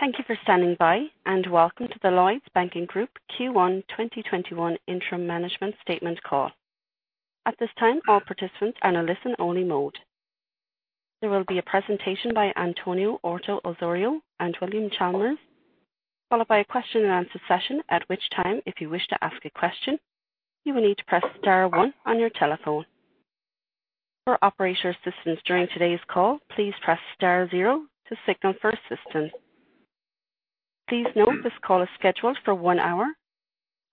Thank you for standing by, and welcome to the Lloyds Banking Group Q1 2021 Interim Management Statement Call. At this time, all participants are in a listen only mode. There will be a presentation by António Horta-Osório and William Chalmers, followed by a question and answer session, at which time, if you wish to ask a question, you will need to press star one on your telephone. For operator assistance during today's call, please press star zero to signal for assistance. Please note, this call is scheduled for one hour.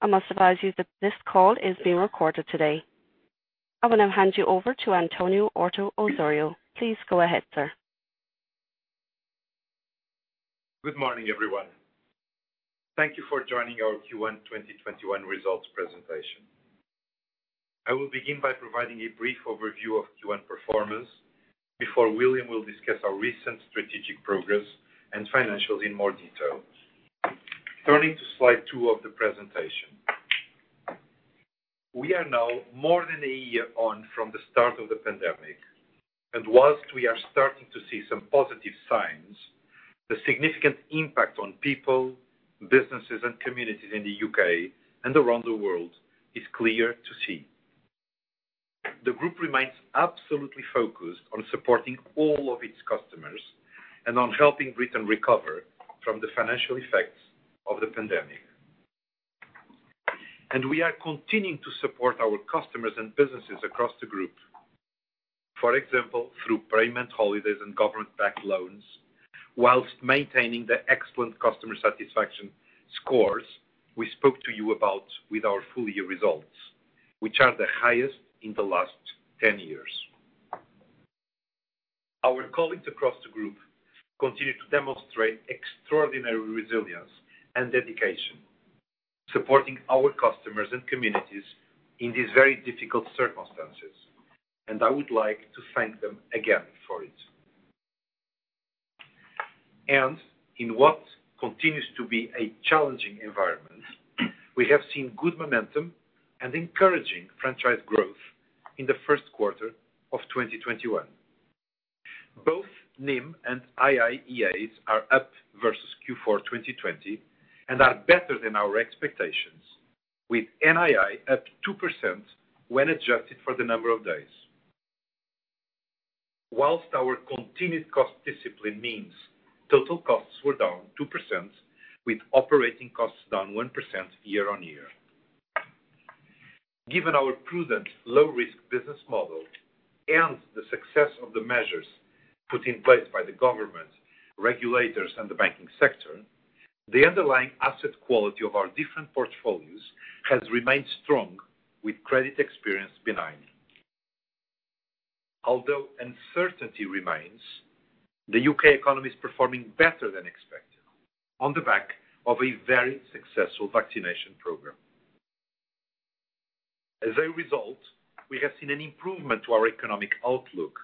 I must advise you that this call is being recorded today. I will now hand you over to António Horta-Osório. Please go ahead, sir. Good morning, everyone. Thank you for joining our Q1 2021 results presentation. I will begin by providing a brief overview of Q1 performance before William will discuss our recent strategic progress and financials in more detail. Turning to slide two of the presentation. We are now more than a year on from the start of the pandemic, and whilst we are starting to see some positive signs, the significant impact on people, businesses, and communities in the U.K. and around the world is clear to see. The group remains absolutely focused on supporting all of its customers and on helping Britain recover from the financial effects of the pandemic. We are continuing to support our customers and businesses across the group. For example, through payment holidays and government-backed loans, whilst maintaining the excellent customer satisfaction scores we spoke to you about with our full-year results, which are the highest in the last 10 years. Our colleagues across the group continue to demonstrate extraordinary resilience and dedication, supporting our customers and communities in these very difficult circumstances, I would like to thank them again for it. In what continues to be a challenging environment, we have seen good momentum and encouraging franchise growth in the First Quarter of 2021. Both NIM and AIEAs are up versus Q4 2020, and are better than our expectations, with NII up 2% when adjusted for the number of days. Whilst our continued cost discipline means total costs were down 2%, with operating costs down 1% year-on-year. Given our prudent low risk business model and the success of the measures put in place by the government, regulators, and the banking sector, the underlying asset quality of our different portfolios has remained strong with credit experience benign. Although uncertainty remains, the U.K. economy is performing better than expected on the back of a very successful vaccination program. As a result, we have seen an improvement to our economic outlook,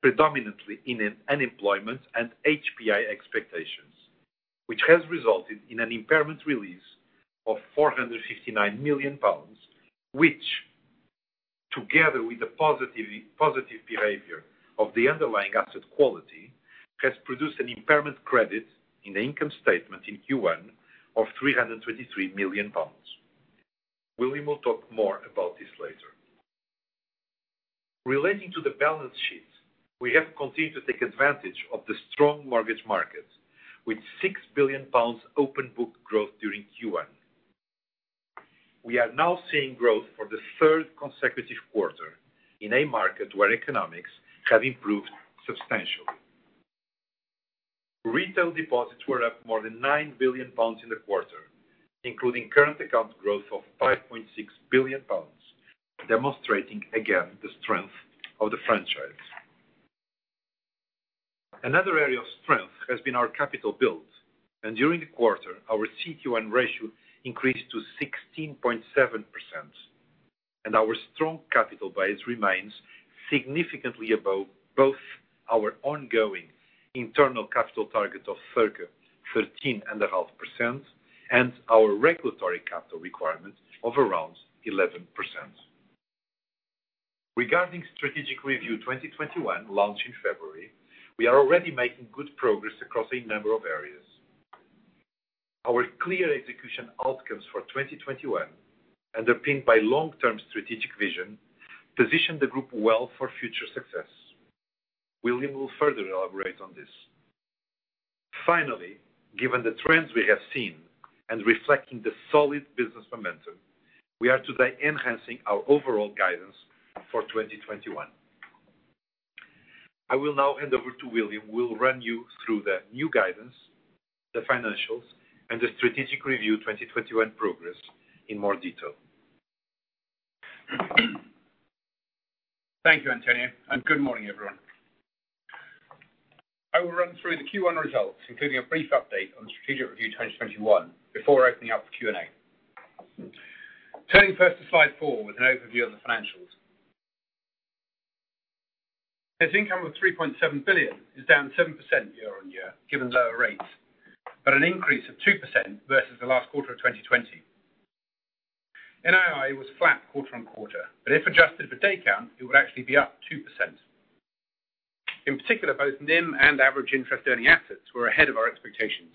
predominantly in unemployment and HPI expectations, which has resulted in an impairment release of 459 million pounds, which together with the positive behavior of the underlying asset quality, has produced an impairment credit in the income statement in Q1 of 323 million pounds. William will talk more about this later. Relating to the balance sheet, we have continued to take advantage of the strong mortgage market, with 6 billion pounds open book growth during Q1. We are now seeing growth for the third consecutive quarter in a market where economics have improved substantially. Retail deposits were up more than 9 billion pounds in the quarter, including current account growth of 5.6 billion pounds, demonstrating again the strength of the franchise. Another area of strength has been our capital build. During the quarter, our CET1 ratio increased to 16.7%, and our strong capital base remains significantly above both our ongoing internal capital target of 13.5% and our regulatory capital requirement of around 11%. Regarding Strategic Review 2021 launch in February, we are already making good progress across a number of areas. Our clear execution outcomes for 2021, underpinned by long-term strategic vision, position the group well for future success. William will further elaborate on this. Finally, given the trends we have seen and reflecting the solid business momentum, we are today enhancing our overall guidance for 2021.I will now hand over to William, who will run you through the new guidance, the financials, and the Strategic Review 2021 progress in more detail. Thank you, Antonio, and good morning, everyone. I will run through the Q1 results, including a brief update on Strategic Review 2021 before opening up the Q&A. Turning first to slide four with an overview of the financials. Net income of 3.7 billion is down 7% year-on-year, given lower rates, but an increase of 2% versus the last quarter of 2020. NII was flat quarter-on-quarter, but if adjusted for day count, it would actually be up 2%. In particular, both NIM and Average Interest-Earning Assets were ahead of our expectations.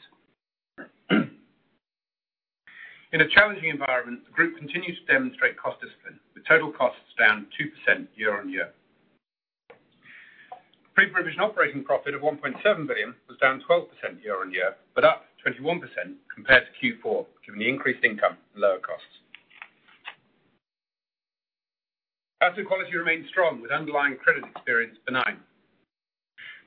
In a challenging environment, the group continues to demonstrate cost discipline, with total costs down 2% year-on-year. Pre-provision operating profit of 1.7 billion was down 12% year-on-year but up 21% compared to Q4, driven by increased income and lower costs. Asset quality remained strong with underlying credit experience benign.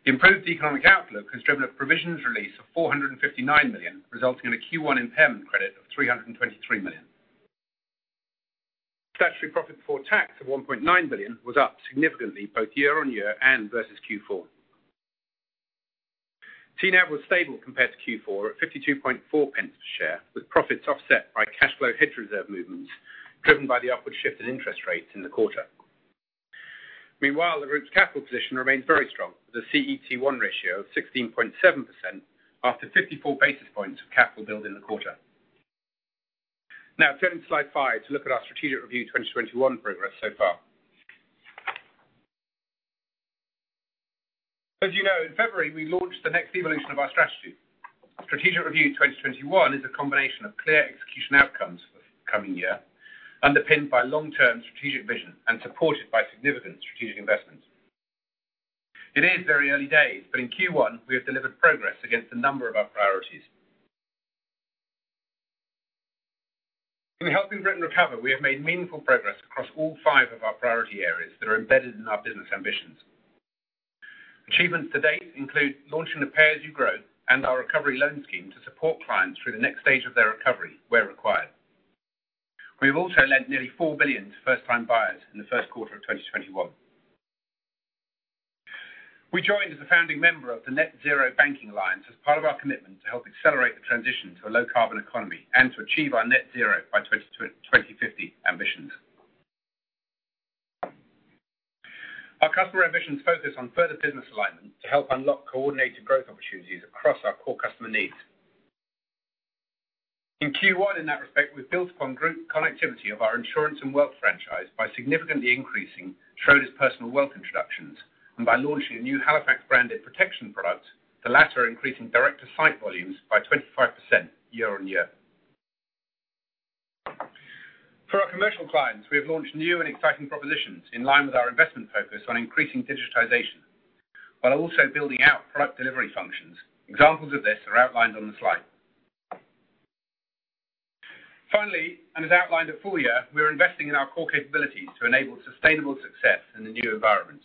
The improved economic outlook has driven a provisions release of 459 million, resulting in a Q1 impairment credit of 323 million. Statutory profit before tax of 1.9 billion was up significantly, both year-on-year and versus Q4. TNAV was stable compared to Q4 at 0.524 per share, with profits offset by cash flow hedge reserve movements driven by the upward shift in interest rates in the quarter. Meanwhile, the group's capital position remains very strong, with a CET1 ratio of 16.7% after 54 basis points of capital build in the quarter. Now turning to slide five to look at our Strategic Review 2021 progress so far. As you know, in February, we launched the next evolution of our strategy. Strategic Review 2021 is a combination of clear execution outcomes for the coming year, underpinned by long-term strategic vision and supported by significant strategic investments. It is very early days, but in Q1 we have delivered progress against a number of our priorities. In helping Britain recover, we have made meaningful progress across all five of our priority areas that are embedded in our business ambitions. Achievements to date include launching the Pay As You Grow and our Recovery Loan Scheme to support clients through the next stage of their recovery where required. We have also lent nearly 4 billion to first-time buyers in the first quarter of 2021. We joined as a founding member of the Net Zero Banking Alliance as part of our commitment to help accelerate the transition to a low carbon economy and to achieve our net zero by 2050 ambitions. Our customer ambitions focus on further business alignment to help unlock coordinated growth opportunities across our core customer needs. In Q1, in that respect, we built upon group connectivity of our insurance and wealth franchise by significantly increasing Schroders Personal Wealth introductions and by launching a new Halifax branded protection product, the latter increasing direct-to-site volumes by 25% year-on-year. For our commercial clients, we have launched new and exciting propositions in line with our investment focus on increasing digitization while also building out product delivery functions. Examples of this are outlined on the slide. Finally, and as outlined at full year, we are investing in our core capabilities to enable sustainable success in the new environment.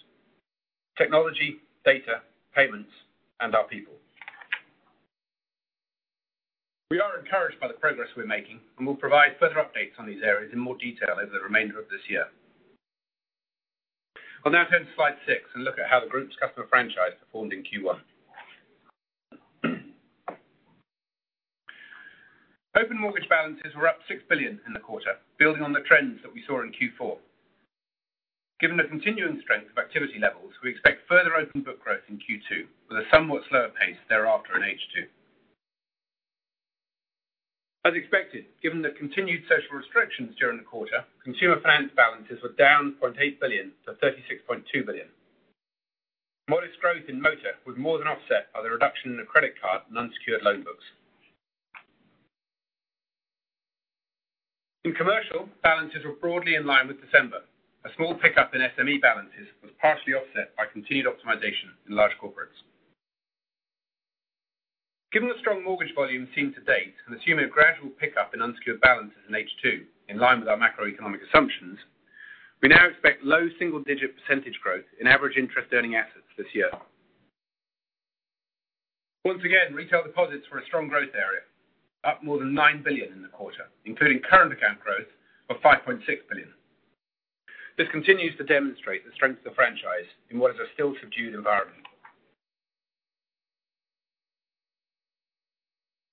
Technology, data, payments, and our people. We are encouraged by the progress we're making and will provide further updates on these areas in more detail over the remainder of this year. I'll now turn to slide six and look at how the group's customer franchise performed in Q1. Open mortgage balances were up 6 billion in the quarter, building on the trends that we saw in Q4. Given the continuing strength of activity levels, we expect further open book growth in Q2 with a somewhat slower pace thereafter in H2. As expected, given the continued social restrictions during the quarter, consumer finance balances were down 0.8 billion to 36.2 billion. Modest growth in motor was more than offset by the reduction in the credit card and unsecured loan books. In commercial, balances were broadly in line with December. A small pickup in SME balances was partially offset by continued optimization in large corporates. Given the strong mortgage volumes seen to date and assuming a gradual pickup in unsecured balances in H2 in line with our macroeconomic assumptions, we now expect low single-digit percentage growth in average interest-earning assets this year. Once again, retail deposits were a strong growth area, up more than 9 billion in the quarter, including current account growth of 5.6 billion. This continues to demonstrate the strength of the franchise in what is a still subdued environment.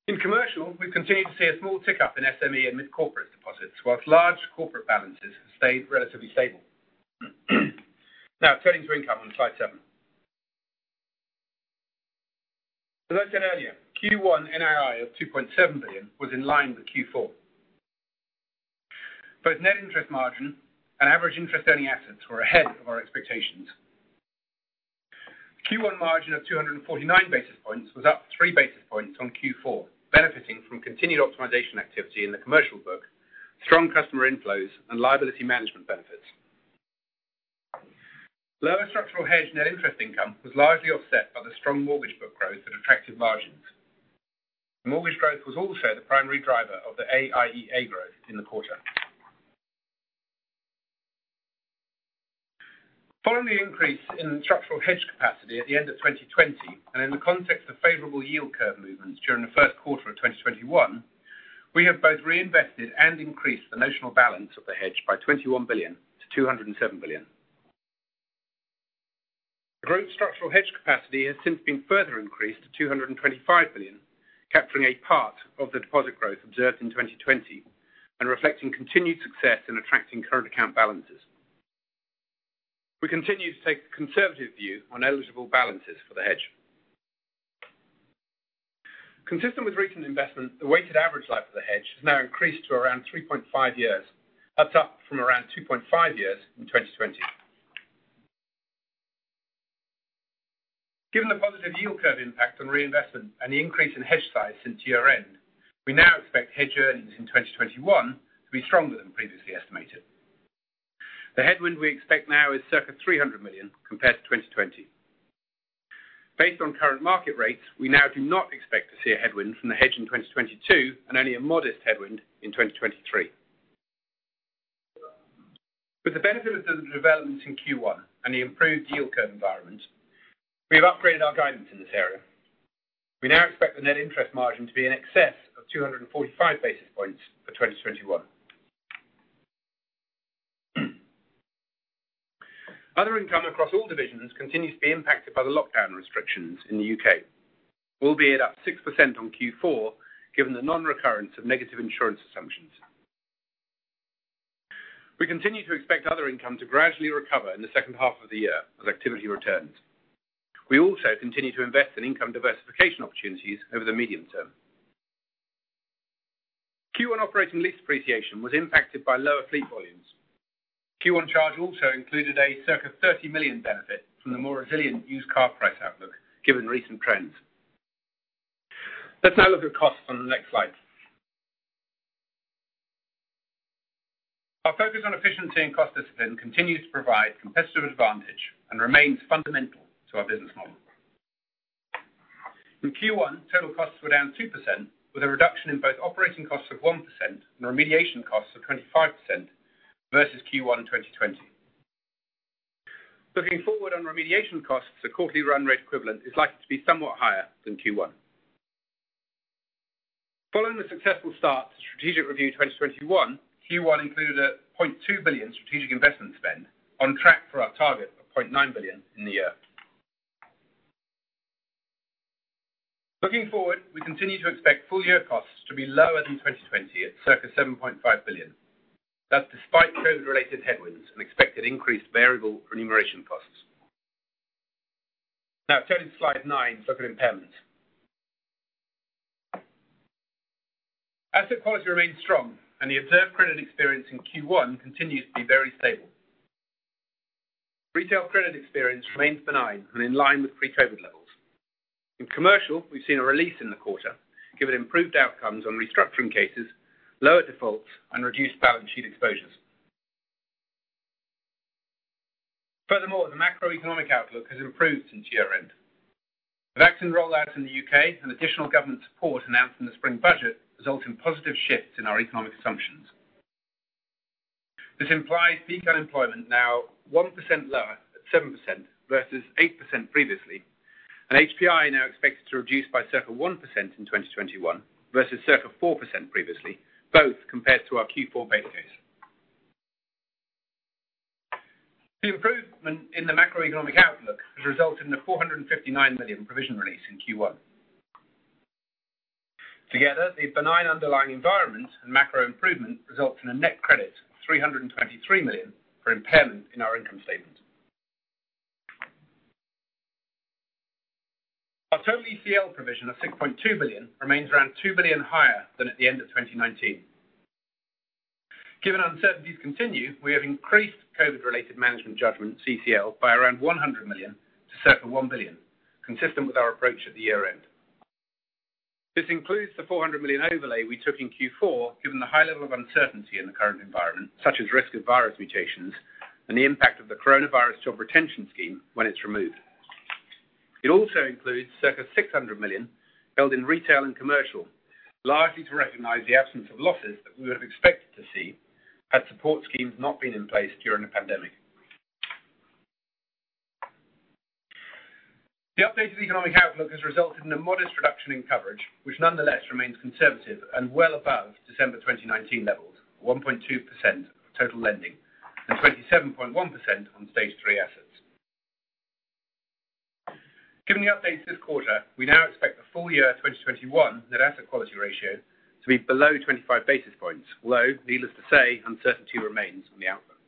In commercial, we've continued to see a small tick-up in SME and mid-corporate deposits, whilst large corporate balances have stayed relatively stable. Now turning to income on slide seven. As I said earlier, Q1 NII of 2.7 billion was in line with Q4. Both net interest margin and average interest-earning assets were ahead of our expectations. Q1 margin of 249 basis points was up three basis points on Q4, benefiting from continued optimization activity in the commercial book, strong customer inflows, and liability management benefits. Lower structural hedge net interest income was largely offset by the strong mortgage book growth and attractive margins. Mortgage growth was also the primary driver of the AIEA growth in the quarter. Following the increase in structural hedge capacity at the end of 2020, and in the context of favorable yield curve movements during the first quarter of 2021, we have both reinvested and increased the notional balance of the hedge by 21 billion to 207 billion. The group structural hedge capacity has since been further increased to 225 billion, capturing a part of the deposit growth observed in 2020 and reflecting continued success in attracting current account balances. We continue to take the conservative view on eligible balances for the hedge. Consistent with recent investment, the weighted average life of the hedge has now increased to around 3.5 years. That's up from around 2.5 years in 2020. Given the positive yield curve impact on reinvestment and the increase in hedge size since year-end, we now expect hedge earnings in 2021 to be stronger than previously estimated. The headwind we expect now is circa 300 million compared to 2020. Based on current market rates, we now do not expect to see a headwind from the hedge in 2022 and only a modest headwind in 2023. With the benefit of the developments in Q1 and the improved yield curve environment, we have upgraded our guidance in this area. We now expect the net interest margin to be in excess of 245 basis points for 2021. Other income across all divisions continues to be impacted by the lockdown restrictions in the U.K., albeit up 6% on Q4, given the non-recurrence of negative insurance assumptions. We continue to expect other income to gradually recover in the second half of the year as activity returns. We also continue to invest in income diversification opportunities over the medium term. Q1 operating lease depreciation was impacted by lower fleet volumes. Q1 charge also included a circa 30 million benefit from the more resilient used car price outlook given recent trends. Let's now look at costs on the next slide. Our focus on efficiency and cost discipline continues to provide competitive advantage and remains fundamental to our business model. In Q1, total costs were down 2%, with a reduction in both operating costs of 1% and remediation costs of 25% versus Q1 2020. Looking forward on remediation costs, a quarterly run rate equivalent is likely to be somewhat higher than Q1. Following the successful start to Strategic Review 2021, Q1 included a 0.2 billion strategic investment spend, on track for our target of 0.9 billion in the year. Looking forward, we continue to expect full year costs to be lower than 2020 at circa 7.5 billion. That's despite COVID-related headwinds and expected increased variable remuneration costs. Now turning to slide nine to look at impairment. Asset quality remains strong and the observed credit experience in Q1 continues to be very stable. Retail credit experience remains benign and in line with pre-COVID levels. In commercial, we've seen a release in the quarter given improved outcomes on restructuring cases, lower defaults, and reduced balance sheet exposures. Furthermore, the macroeconomic outlook has improved since year-end. The vaccine rollouts in the U.K. and additional government support announced in the spring budget result in positive shifts in our economic assumptions. This implies peak unemployment now 1% lower at 7% versus 8% previously, and HPI now expected to reduce by circa 1% in 2021 versus circa 4% previously, both compared to our Q4 base case. The improvement in the macroeconomic outlook has resulted in the 459 million provision release in Q1. Together, the benign underlying environment and macro improvement results in a net credit of 323 million for impairment in our income statement. Our total ECL provision of 6.2 billion remains around 2 billion higher than at the end of 2019. Given uncertainties continue, we have increased COVID-related management judgment ECL by around 100 million to circa 1 billion, consistent with our approach at the year-end. This includes the 400 million overlay we took in Q4, given the high level of uncertainty in the current environment, such as risk of virus mutations and the impact of the Coronavirus Job Retention Scheme when it's removed. It also includes circa 600 million held in retail and commercial, largely to recognize the absence of losses that we would have expected to see had support schemes not been in place during the pandemic. The updated economic outlook has resulted in a modest reduction in coverage, which nonetheless remains conservative and well above December 2019 levels, 1.2% of total lending and 27.1% on Stage three assets. Given the updates this quarter, we now expect the full year 2021 net asset quality ratio to be below 25 basis points, although needless to say, uncertainty remains on the outlook.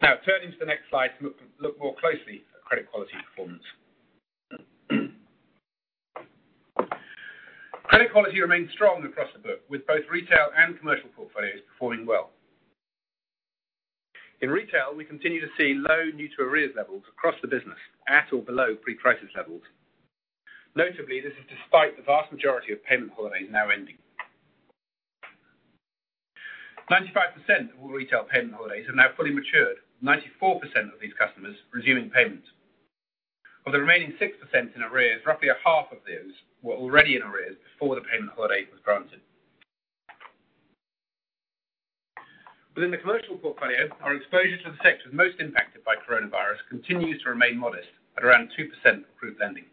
Now turning to the next slide to look more closely at credit quality performance. Credit quality remains strong across the book with both retail and commercial portfolios performing well. In retail, we continue to see low new to arrears levels across the business at or below pre-crisis levels. Notably, this is despite the vast majority of payment holidays now ending. 95% of all retail payment holidays have now fully matured, 94% of these customers resuming payments. Of the remaining 6% in arrears, roughly a half of those were already in arrears before the payment holiday was granted. Within the commercial portfolio, our exposure to the sectors most impacted by coronavirus continues to remain modest at around 2% of group lending.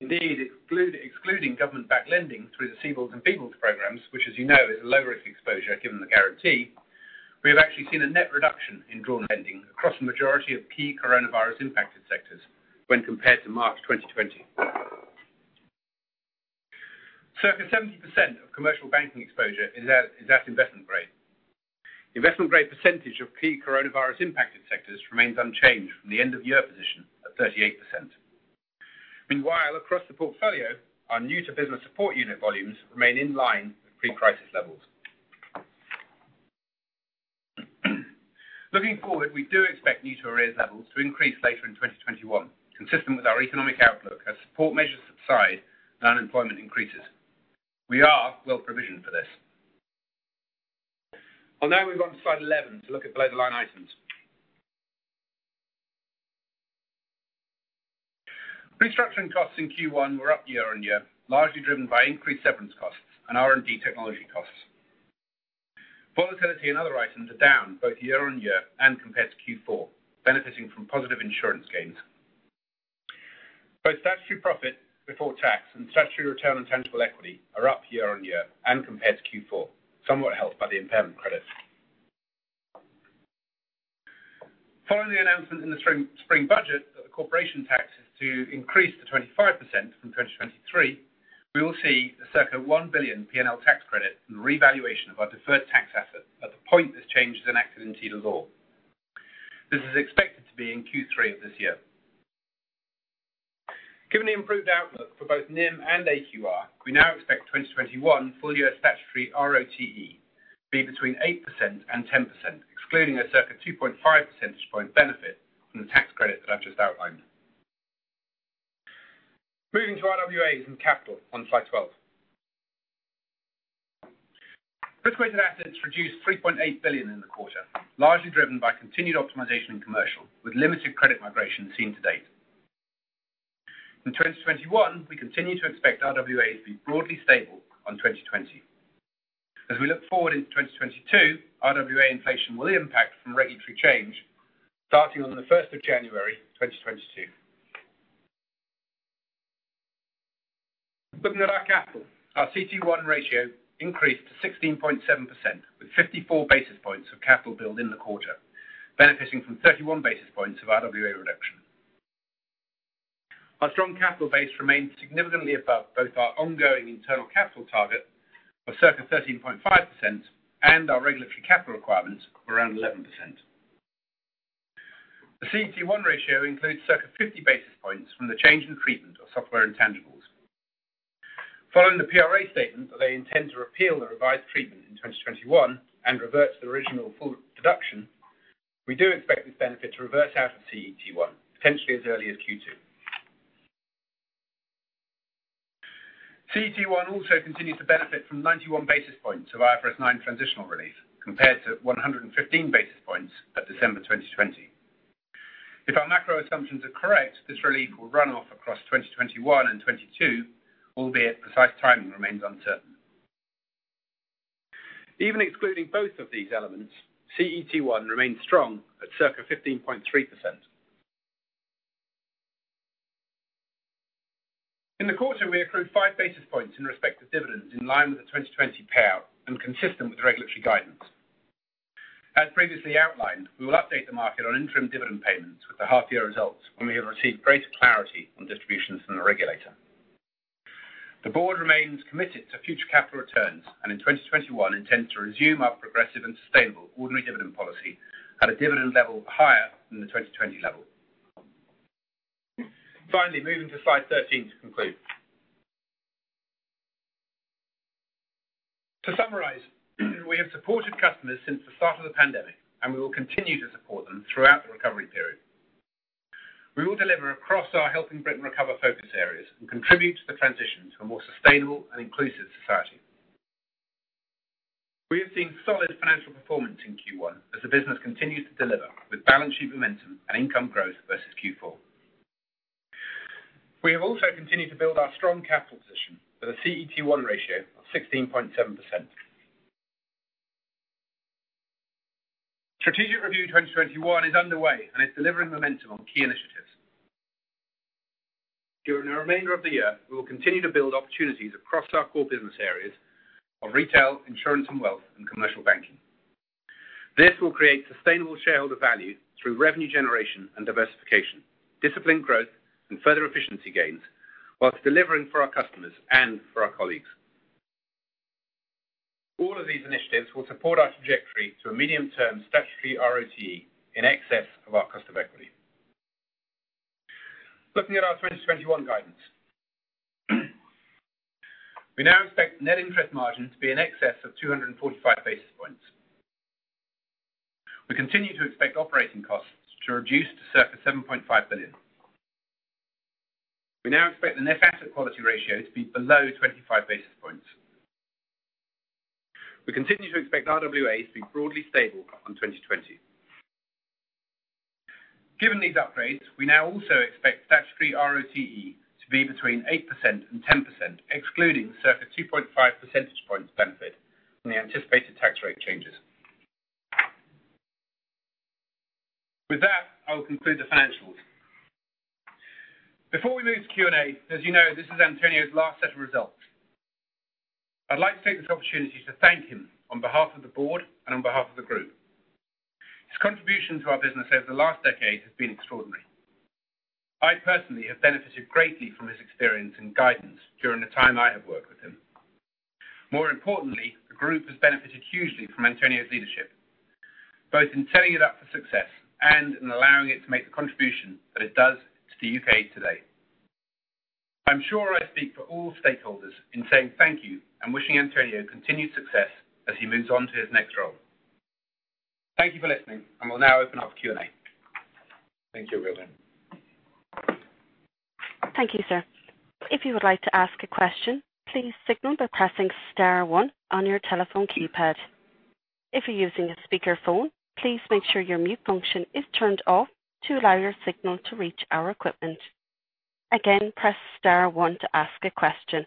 Indeed, excluding government-backed lending through the CBILS and BBLS programs, which as you know is a low risk exposure given the guarantee, we have actually seen a net reduction in drawn lending across the majority of key coronavirus impacted sectors when compared to March 2020. Circa 70% of commercial banking exposure is at investment grade. Investment grade percentage of key coronavirus impacted sectors remains unchanged from the end of year position of 38%. Meanwhile, across the portfolio, our new to business support unit volumes remain in line with pre-crisis levels. Looking forward, we do expect new to arrears levels to increase later in 2021, consistent with our economic outlook as support measures subside and unemployment increases. We are well provisioned for this. Well, now we've gone to slide 11 to look at below the line items. Restructuring costs in Q1 were up year-on-year, largely driven by increased severance costs and R&D technology costs. Volatility and other items are down both year-on-year and compared to Q4, benefiting from positive insurance gains. Both statutory profit before tax and statutory Return on Tangible Equity are up year-on-year and compared to Q4, somewhat helped by the impairment credits. Following the announcement in the Spring Budget that the corporation tax is to increase to 25% from 2023, we will see a circa 1 billion P&L tax credit and revaluation of our deferred tax asset at the point this change is enacted into law. This is expected to be in Q3 of this year. Given the improved outlook for both NIM and AQR, we now expect 2021 full-year statutory RoTE to be between 8% and 10%, excluding a circa 2.5 percentage point benefit from the tax credit that I've just outlined. Moving to RWAs and capital on slide 12. Risk-weighted assets reduced 3.8 billion in the quarter, largely driven by continued optimization in commercial, with limited credit migration seen to date. In 2021, we continue to expect RWA to be broadly stable on 2020. As we look forward into 2022, RWA inflation will impact from regulatory change starting on the 1st of January 2022. Looking at our capital, our CET1 ratio increased to 16.7%, with 54 basis points of capital build in the quarter, benefiting from 31 basis points of RWA reduction. Our strong capital base remains significantly above both our ongoing internal capital target of circa 13.5% and our regulatory capital requirements of around 11%. The CET1 ratio includes circa 50 basis points from the change in treatment of software intangibles. Following the PRA statement that they intend to repeal the revised treatment in 2021 and revert to the original full deduction, we do expect this benefit to reverse out of CET1, potentially as early as Q2. CET1 also continues to benefit from 91 basis points of IFRS 9 transitional relief, compared to 115 basis points at December 2020. If our macro assumptions are correct, this relief will run off across 2021 and 2022, albeit precise timing remains uncertain. Even excluding both of these elements, CET1 remains strong at circa 15.3%. In the quarter, we accrued five basis points in respect of dividends in line with the 2020 payout and consistent with regulatory guidance. As previously outlined, we will update the market on interim dividend payments with the half year results when we have received greater clarity on distributions from the regulator. The board remains committed to future capital returns and in 2021 intends to resume our progressive and sustainable ordinary dividend policy at a dividend level higher than the 2020 level. Moving to slide 13 to conclude. To summarize, we have supported customers since the start of the pandemic, and we will continue to support them throughout the recovery period. We will deliver across our Helping Britain Recover focus areas and contribute to the transition to a more sustainable and inclusive society. We have seen solid financial performance in Q1 as the business continues to deliver with balance sheet momentum and income growth versus Q4. We have also continued to build our strong capital position with a CET1 ratio of 16.7%. Strategic Review 2021 is underway and is delivering momentum on key initiatives. During the remainder of the year, we will continue to build opportunities across our core business areas of retail, insurance and wealth, and commercial banking. This will create sustainable shareholder value through revenue generation and diversification, disciplined growth, and further efficiency gains, while delivering for our customers and for our colleagues. All of these initiatives will support our trajectory to a medium-term statutory RoTE in excess of our cost of equity. Looking at our 2021 guidance. We now expect net interest margin to be in excess of 245 basis points. We continue to expect operating costs to reduce to circa 7.5 billion. We now expect the net asset quality ratio to be below 25 basis points. We continue to expect RWA to be broadly stable on 2020. Given these upgrades, we now also expect statutory RoTE to be between 8% and 10%, excluding the circa 2.5 percentage points benefit from the anticipated tax rate changes. With that, I will conclude the financials. Before we move to Q&A, as you know, this is Antonio's last set of results. I'd like to take this opportunity to thank him on behalf of the board and on behalf of the group. His contribution to our business over the last decade has been extraordinary. I personally have benefited greatly from his experience and guidance during the time I have worked with him. More importantly, the group has benefited hugely from Antonio's leadership, both in setting it up for success and in allowing it to make the contribution that it does to U.K. today. I'm sure I speak for all stakeholders in saying thank you and wishing Antonio continued success as he moves on to his next role. Thank you for listening, and we'll now open up Q&A. Thank you, William. Thank you, sir. If you would like to ask a question, please signal by pressing star one on your telephone keypad. If you're using a speakerphone, please make sure your mute function is turned off to allow your signal to reach our equipment. Again, press star one to ask a question.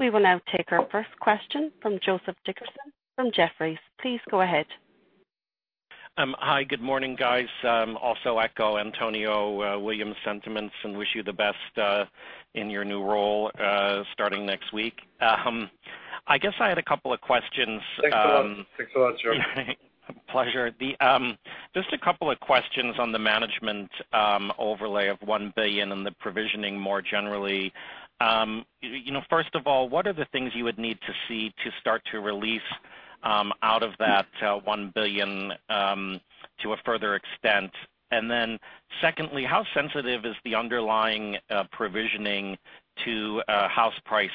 We will now take our first question from Joseph Dickerson from Jefferies. Please go ahead. Hi. Good morning, guys. Echo Antonio, William's sentiments and wish you the best in your new role starting next week. I guess I had a couple of questions. Thanks a lot, Joe. Pleasure. Just a couple of questions on the management overlay of 1 billion and the provisioning more generally. First of all, what are the things you would need to see to start to release out of that 1 billion to a further extent? Secondly, how sensitive is the underlying provisioning to house price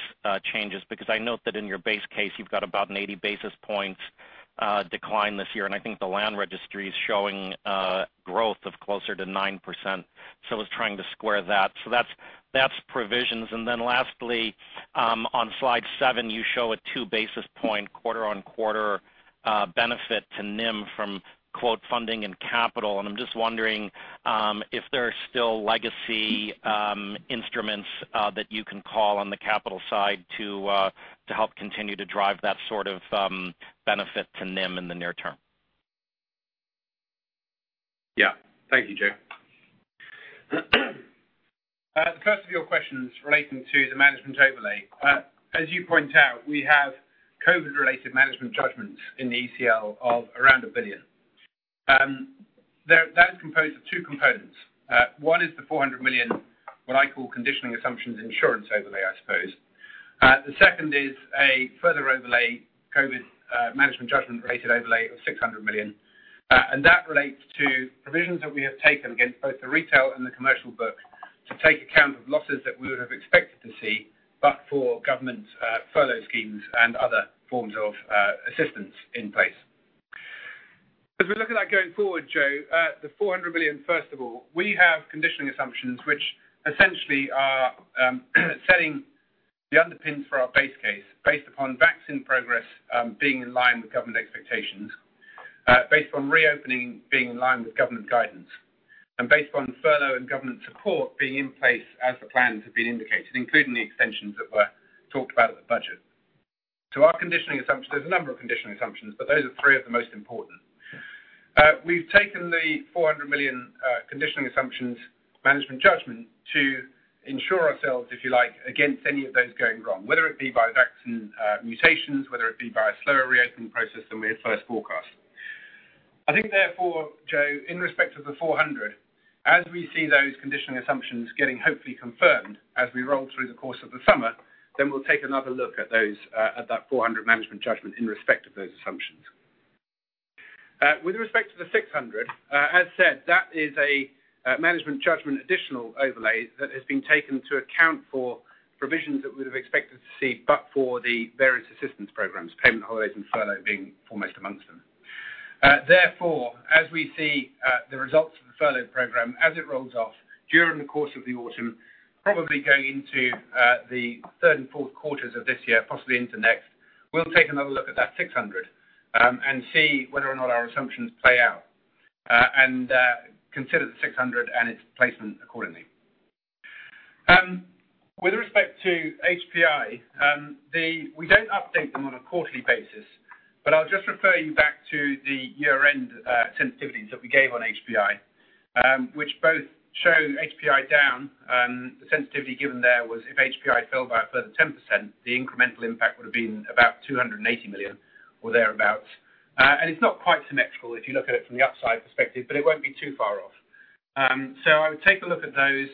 changes? I note that in your base case, you've got about an 80 basis points decline this year, and I think the land registry is showing growth of closer to 9%. I was trying to square that. That's provisions. Lastly, on slide seven, you show a two basis point quarter-on-quarter benefit to NIM from "funding and capital." I'm just wondering if there are still legacy instruments that you can call on the capital side to help continue to drive that sort of benefit to NIM in the near term. Yeah. Thank you, Joe. The first of your questions relating to the management overlay. As you point out, we have COVID related management judgments in the ECL of around 1 billion. That is composed of two components. One is the 400 million, what I call conditioning assumptions insurance overlay, I suppose. The second is a further overlay, COVID management judgment related overlay of 600 million. That relates to provisions that we have taken against both the retail and the commercial book to take account of losses that we would have expected to see, but for government furlough schemes and other forms of assistance in place. As we look at that going forward, Joe, the 400 million, first of all, we have conditioning assumptions, which essentially are setting the underpins for our base case, based upon vaccine progress being in line with government expectations, based on reopening being in line with government guidance, and based on furlough and government support being in place as the plans have been indicated, including the extensions that were talked about at the budget. Our conditioning assumptions, there's a number of conditioning assumptions, but those are three of the most important. We've taken the 400 million conditioning assumptions management judgment to insure ourselves, if you like, against any of those going wrong, whether it be by vaccine mutations, whether it be by a slower reopening process than we had first forecast. I think, Joe, in respect of the 400, as we see those conditioning assumptions getting hopefully confirmed as we roll through the course of the summer, then we'll take another look at that 400 management judgment in respect of those assumptions. With respect to the 600, as said, that is a management judgment additional overlay that has been taken to account for provisions that we would have expected to see, but for the various assistance programs, payment holidays and furlough being foremost amongst them. As we see the results of the furlough program, as it rolls off during the course of the autumn, probably going into the third and fourth quarters of this year, possibly into next, we'll take another look at that 600, and see whether or not our assumptions play out. Consider the 600 and its placement accordingly. With respect to HPI, we don't update them on a quarterly basis, but I'll just refer you back to the year-end sensitivities that we gave on HPI, which both show HPI down. The sensitivity given there was if HPI fell by a further 10%, the incremental impact would have been about 280 million or thereabout. It's not quite symmetrical if you look at it from the upside perspective, but it won't be too far off. I would take a look at those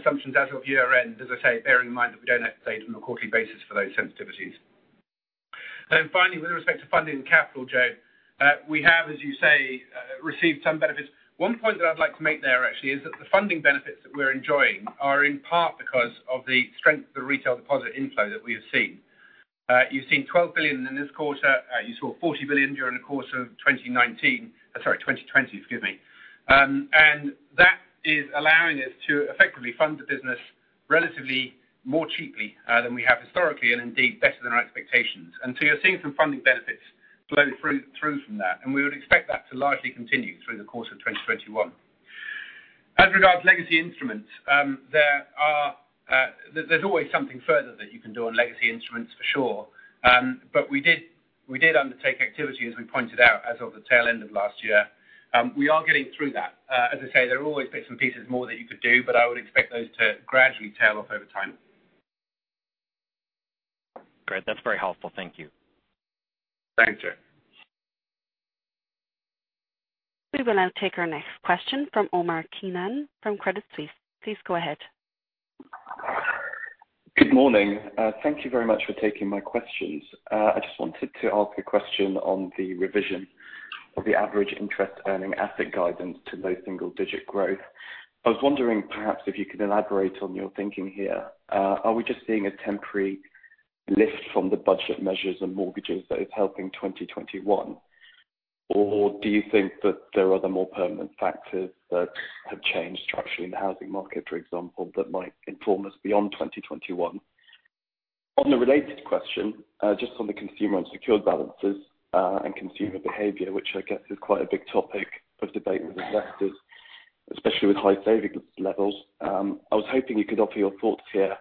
assumptions as of year-end. As I say, bearing in mind that we don't update on a quarterly basis for those sensitivities. Finally, with respect to funding capital, Joe, we have, as you say, received some benefits. One point that I'd like to make there actually is that the funding benefits that we're enjoying are in part because of the strength of the retail deposit inflow that we have seen. You've seen 12 billion in this quarter. You saw 40 billion during the course of 2019. Sorry, 2020. Excuse me. That is allowing us to effectively fund the business relatively more cheaply than we have historically, and indeed, better than our expectations. You're seeing some funding benefits flow through from that, and we would expect that to largely continue through the course of 2021. As regards legacy instruments, there's always something further that you can do on legacy instruments for sure. We did undertake activity, as we pointed out as of the tail end of last year. We are getting through that. As I say, there are always bits and pieces more that you could do, but I would expect those to gradually tail off over time. Great. That's very helpful. Thank you. Thank you. We will now take our next question from Omar Keenan from Credit Suisse. Please go ahead. Good morning. Thank you very much for taking my questions. I just wanted to ask a question on the revision of the Average Interest-Earning Asset guidance to low single-digit growth. I was wondering perhaps if you could elaborate on your thinking here. Are we just seeing a temporary lift from the budget measures and mortgages that is helping 2021, or do you think that there are other more permanent factors that have changed structurally in the housing market, for example, that might inform us beyond 2021? On a related question, just on the consumer unsecured balances, and consumer behavior, which I guess is quite a big topic of debate with investors, especially with high savings levels. I was hoping you could offer your thoughts here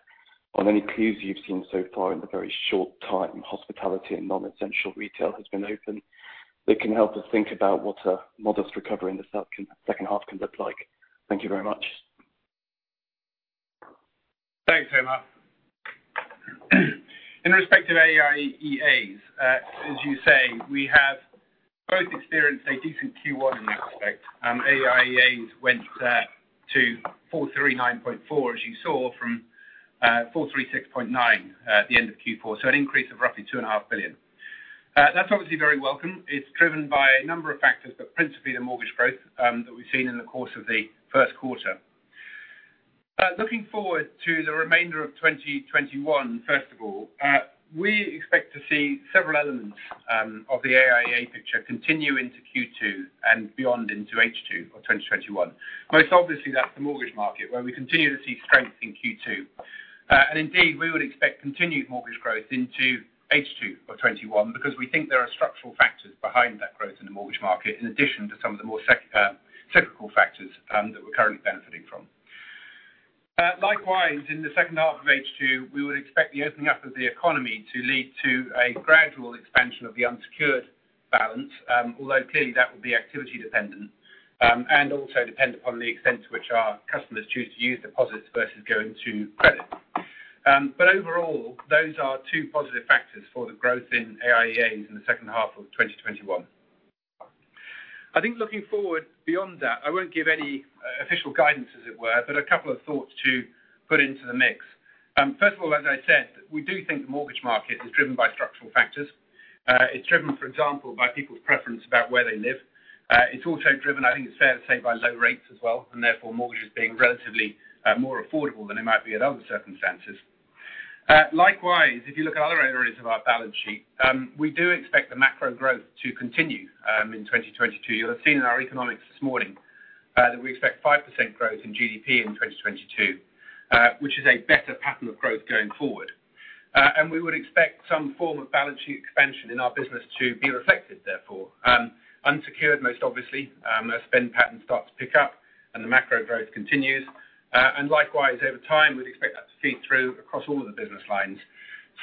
on any clues you've seen so far in the very short time hospitality and non-essential retail has been open that can help us think about what a modest recovery in the second half can look like. Thank you very much. Thanks, Omar. In respect to AIEAs, as you say, we have both experienced a decent Q1 in that respect. AIEAs went to 439.4 as you saw from 436.9 at the end of Q4, so an increase of roughly two and a half billion. That's obviously very welcome. It's driven by a number of factors, but principally the mortgage growth that we've seen in the course of the first quarter. Looking forward to the remainder of 2021, first of all, we expect to see several elements of the AIEA picture continue into Q2 and beyond into H2 of 2021. Most obviously, that's the mortgage market, where we continue to see strength in Q2. Indeed, we would expect continued mortgage growth into H2 2021 because we think there are structural factors behind that growth in the mortgage market, in addition to some of the more cyclical factors that we're currently benefiting from. Likewise, in the second half of H2, we would expect the opening up of the economy to lead to a gradual expansion of the unsecured balance. Clearly that will be activity dependent, and also dependent upon the extent to which our customers choose to use deposits versus going to credit. Overall, those are two positive factors for the growth in AIEAs in the second half of 2021. Looking forward beyond that, I won't give any official guidance, as it were, but a couple of thoughts to put into the mix. First of all, as I said, we do think the mortgage market is driven by structural factors. It's driven, for example, by people's preference about where they live. It's also driven, I think it's fair to say, by low rates as well, and therefore mortgages being relatively more affordable than it might be in other circumstances. Likewise, if you look at other areas of our balance sheet, we do expect the macro growth to continue in 2022. You'll have seen in our economics this morning that we expect 5% growth in GDP in 2022, which is a better pattern of growth going forward. We would expect some form of balance sheet expansion in our business to be reflected therefore. Unsecured, most obviously, as spend pattern starts to pick up and the macro growth continues. Likewise, over time, we'd expect that to feed through across all of the business lines.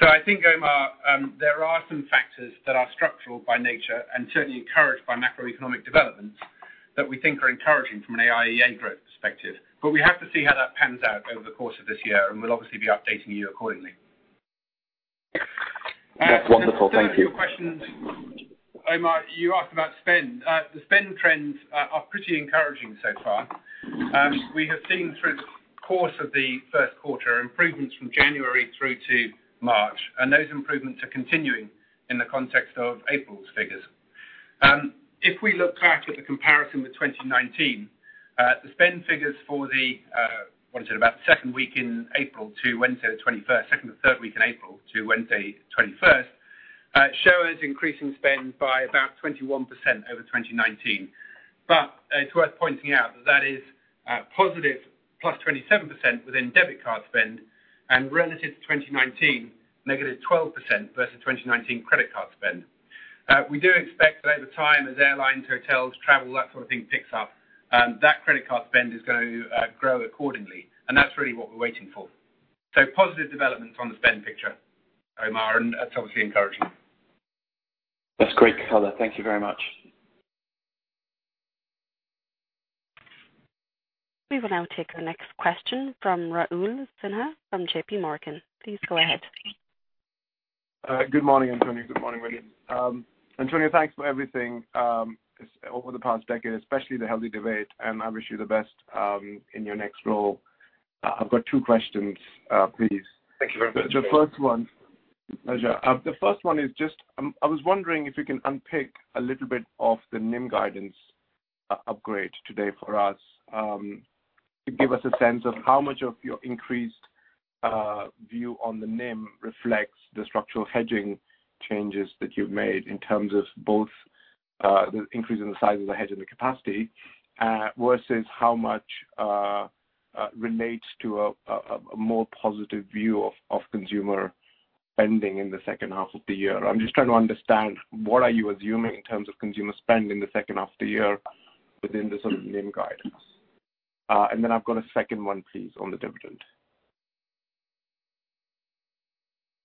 I think, Omar, there are some factors that are structural by nature and certainly encouraged by macroeconomic developments that we think are encouraging from an AIEA growth perspective. We have to see how that pans out over the course of this year, and we'll obviously be updating you accordingly. That's wonderful. Thank you. To your questions, Omar, you asked about spend. The spend trends are pretty encouraging so far. We have seen through the course of the first quarter improvements from January through to March, and those improvements are continuing in the context of April's figures. If we look back at the comparison with 2019, the spend figures for the second week in April to Wednesday the 21st, second to third week in April to Wednesday 21st, show us increasing spend by about 21% over 2019. It's worth pointing out that that is a positive plus 27% within debit card spend and relative to 2019, negative 12% versus 2019 credit card spend. We do expect that over time, as airlines, hotels, travel, that sort of thing picks up, that credit card spend is going to grow accordingly, and that's really what we're waiting for. Positive developments on the spend picture, Omar, and that's obviously encouraging. That's great, color. Thank you very much. We will now take the next question from Raul Sinha from JP Morgan. Please go ahead. Good morning, António. Good morning, William. António thanks for everything over the past decade, especially the healthy debate. I wish you the best in your next role. I've got two questions, please. Thank you very much. The first one- Pleasure The first one, I was wondering if you can unpick a little bit of the NIM guidance upgrade today for us, to give us a sense of how much of your increased view on the NIM reflects the structural hedging changes that you've made in terms of both the increase in the size of the hedging capacity versus how much relates to a more positive view of consumer spending in the second half of the year. I'm just trying to understand what are you assuming in terms of consumer spend in the second half of the year within the sort of NIM guidance? Then I've got a second one, please, on the dividend.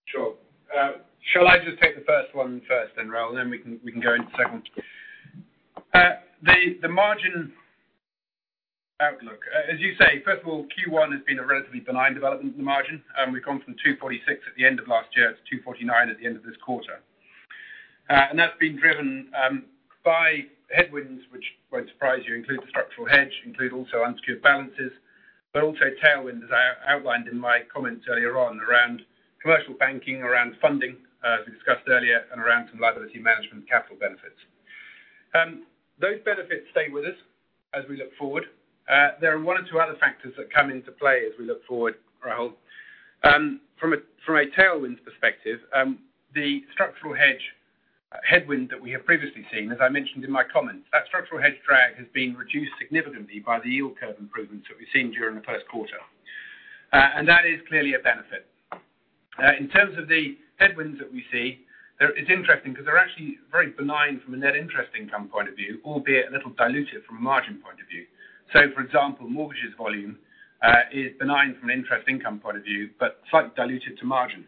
Sure. Shall I just take the first one first, Raul? We can go into the second. The margin outlook. As you say, first of all, Q1 has been a relatively benign development in the margin. We've gone from 246 at the end of last year to 249 at the end of this quarter. That's been driven by headwinds, which won't surprise you, include the structural hedge, include also unsecured balances, also tailwinds, as I outlined in my comments earlier on around commercial banking, around funding, as we discussed earlier, and around some liability management capital benefits. Those benefits stay with us as we look forward. There are one or two other factors that come into play as we look forward, Raul. From a tailwinds perspective, the structural hedge headwind that we have previously seen, as I mentioned in my comments, that structural hedge drag has been reduced significantly by the yield curve improvements that we've seen during the first quarter. That is clearly a benefit. In terms of the headwinds that we see, it is interesting because they are actually very benign from a net interest income point of view, albeit a little diluted from a margin point of view. For example, mortgages volume is benign from an interest income point of view, but slightly diluted to margin.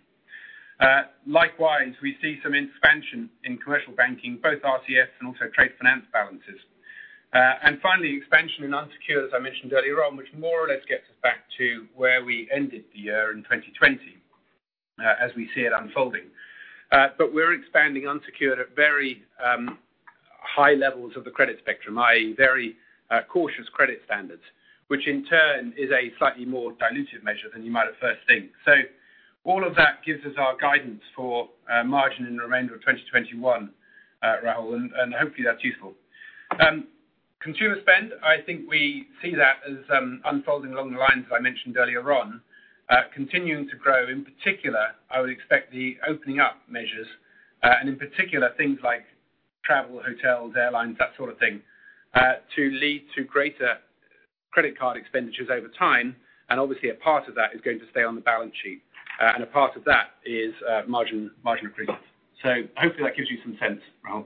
Likewise, we see some expansion in commercial banking, both RCFs and also trade finance balances. Finally, expansion in unsecured, as I mentioned earlier on, which more or less gets us back to where we ended the year in 2020, as we see it unfolding. We're expanding unsecured at very high levels of the credit spectrum, i.e., very cautious credit standards. Which in turn is a slightly more dilutive measure than you might at first think. All of that gives us our guidance for margin in the remainder of 2021, Raul, and hopefully that's useful. Consumer spend, I think we see that as unfolding along the lines as I mentioned earlier on. Continuing to grow. In particular, I would expect the opening up measures, and in particular, things like travel, hotels, airlines, that sort of thing, to lead to greater credit card expenditures over time. Obviously, a part of that is going to stay on the balance sheet. A part of that is margin accruals. Hopefully that gives you some sense, Raul.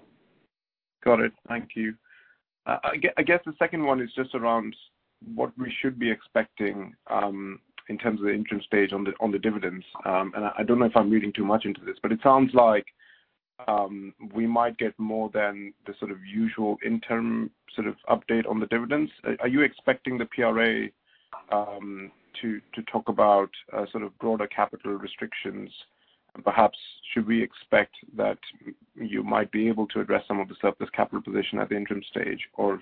Got it. Thank you. I guess the second one is just around what we should be expecting in terms of the interim stage on the dividends. I don't know if I'm reading too much into this, but it sounds like we might get more than the sort of usual interim sort of update on the dividends. Are you expecting the PRA to talk about sort of broader capital restrictions? Perhaps should we expect that you might be able to address some of the surplus capital position at the interim stage, or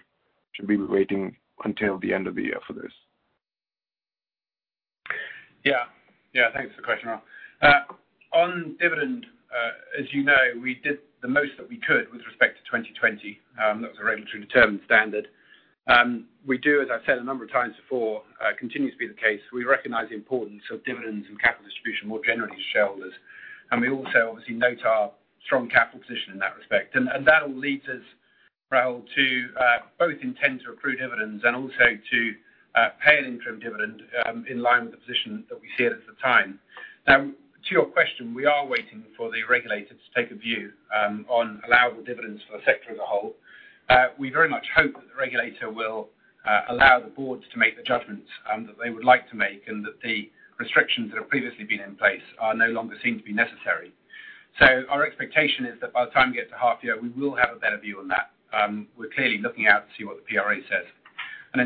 should we be waiting until the end of the year for this? Yeah. Thanks for the question, Raul. On dividend, as you know, we did the most that we could with respect to 2020. That was a regulatory determined standard. We do, as I've said a number of times before, continues to be the case, we recognize the importance of dividends and capital distribution more generally to shareholders. We also obviously note our strong capital position in that respect. That all leads us, Raul, to both intend to accrue dividends and also to pay an interim dividend in line with the position that we see it at the time. Now, to your question, we are waiting for the regulator to take a view on allowable dividends for the sector as a whole. We very much hope that the regulator will allow the boards to make the judgments that they would like to make, and that the restrictions that have previously been in place are no longer seen to be necessary. Our expectation is that by the time we get to half year, we will have a better view on that. We're clearly looking out to see what the PRA says.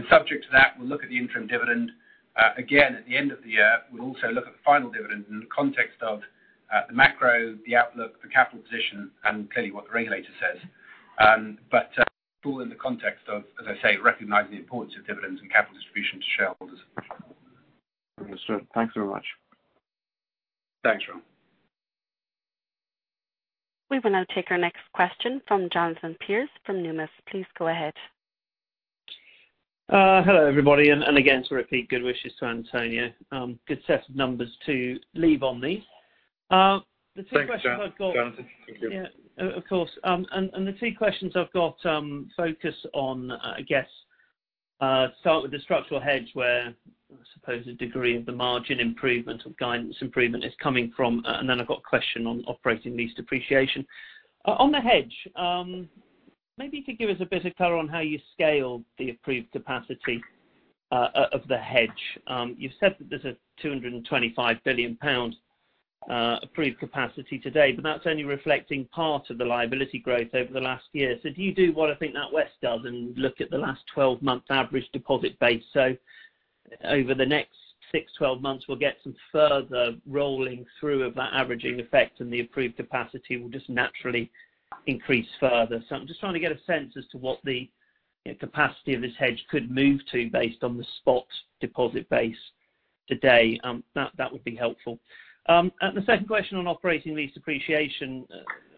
Subject to that, we'll look at the interim dividend. Again, at the end of the year, we'll also look at the final dividend in the context of the macro, the outlook, the capital position, and clearly what the regulator says. All in the context of, as I say, recognizing the importance of dividends and capital distribution to shareholders. Understood. Thanks very much. Thanks, Raul. We will now take our next question from Jonathan Pierce from Numis. Please go ahead. Hello, everybody. Again, to repeat, good wishes to Antonio. Good set of numbers to leave on these. Thanks Jonathan. Thank you. Of course. The two questions I've got focus on, I guess, start with the structural hedge where I suppose the degree of the margin improvement of guidance improvement is coming from. Then I've got a question on operating lease depreciation. On the hedge, maybe you could give us a bit of color on how you scale the approved capacity of the hedge. You've said that there's a 225 billion pounds approved capacity today, but that's only reflecting part of the liability growth over the last year. Do you do what I think NatWest does and look at the last 12 months average deposit base? Over the next six, 12 months, we'll get some further rolling through of that averaging effect and the approved capacity will just naturally increase further. I'm just trying to get a sense as to what the capacity of this hedge could move to based on the spot deposit base today. That would be helpful. The second question on operating lease depreciation.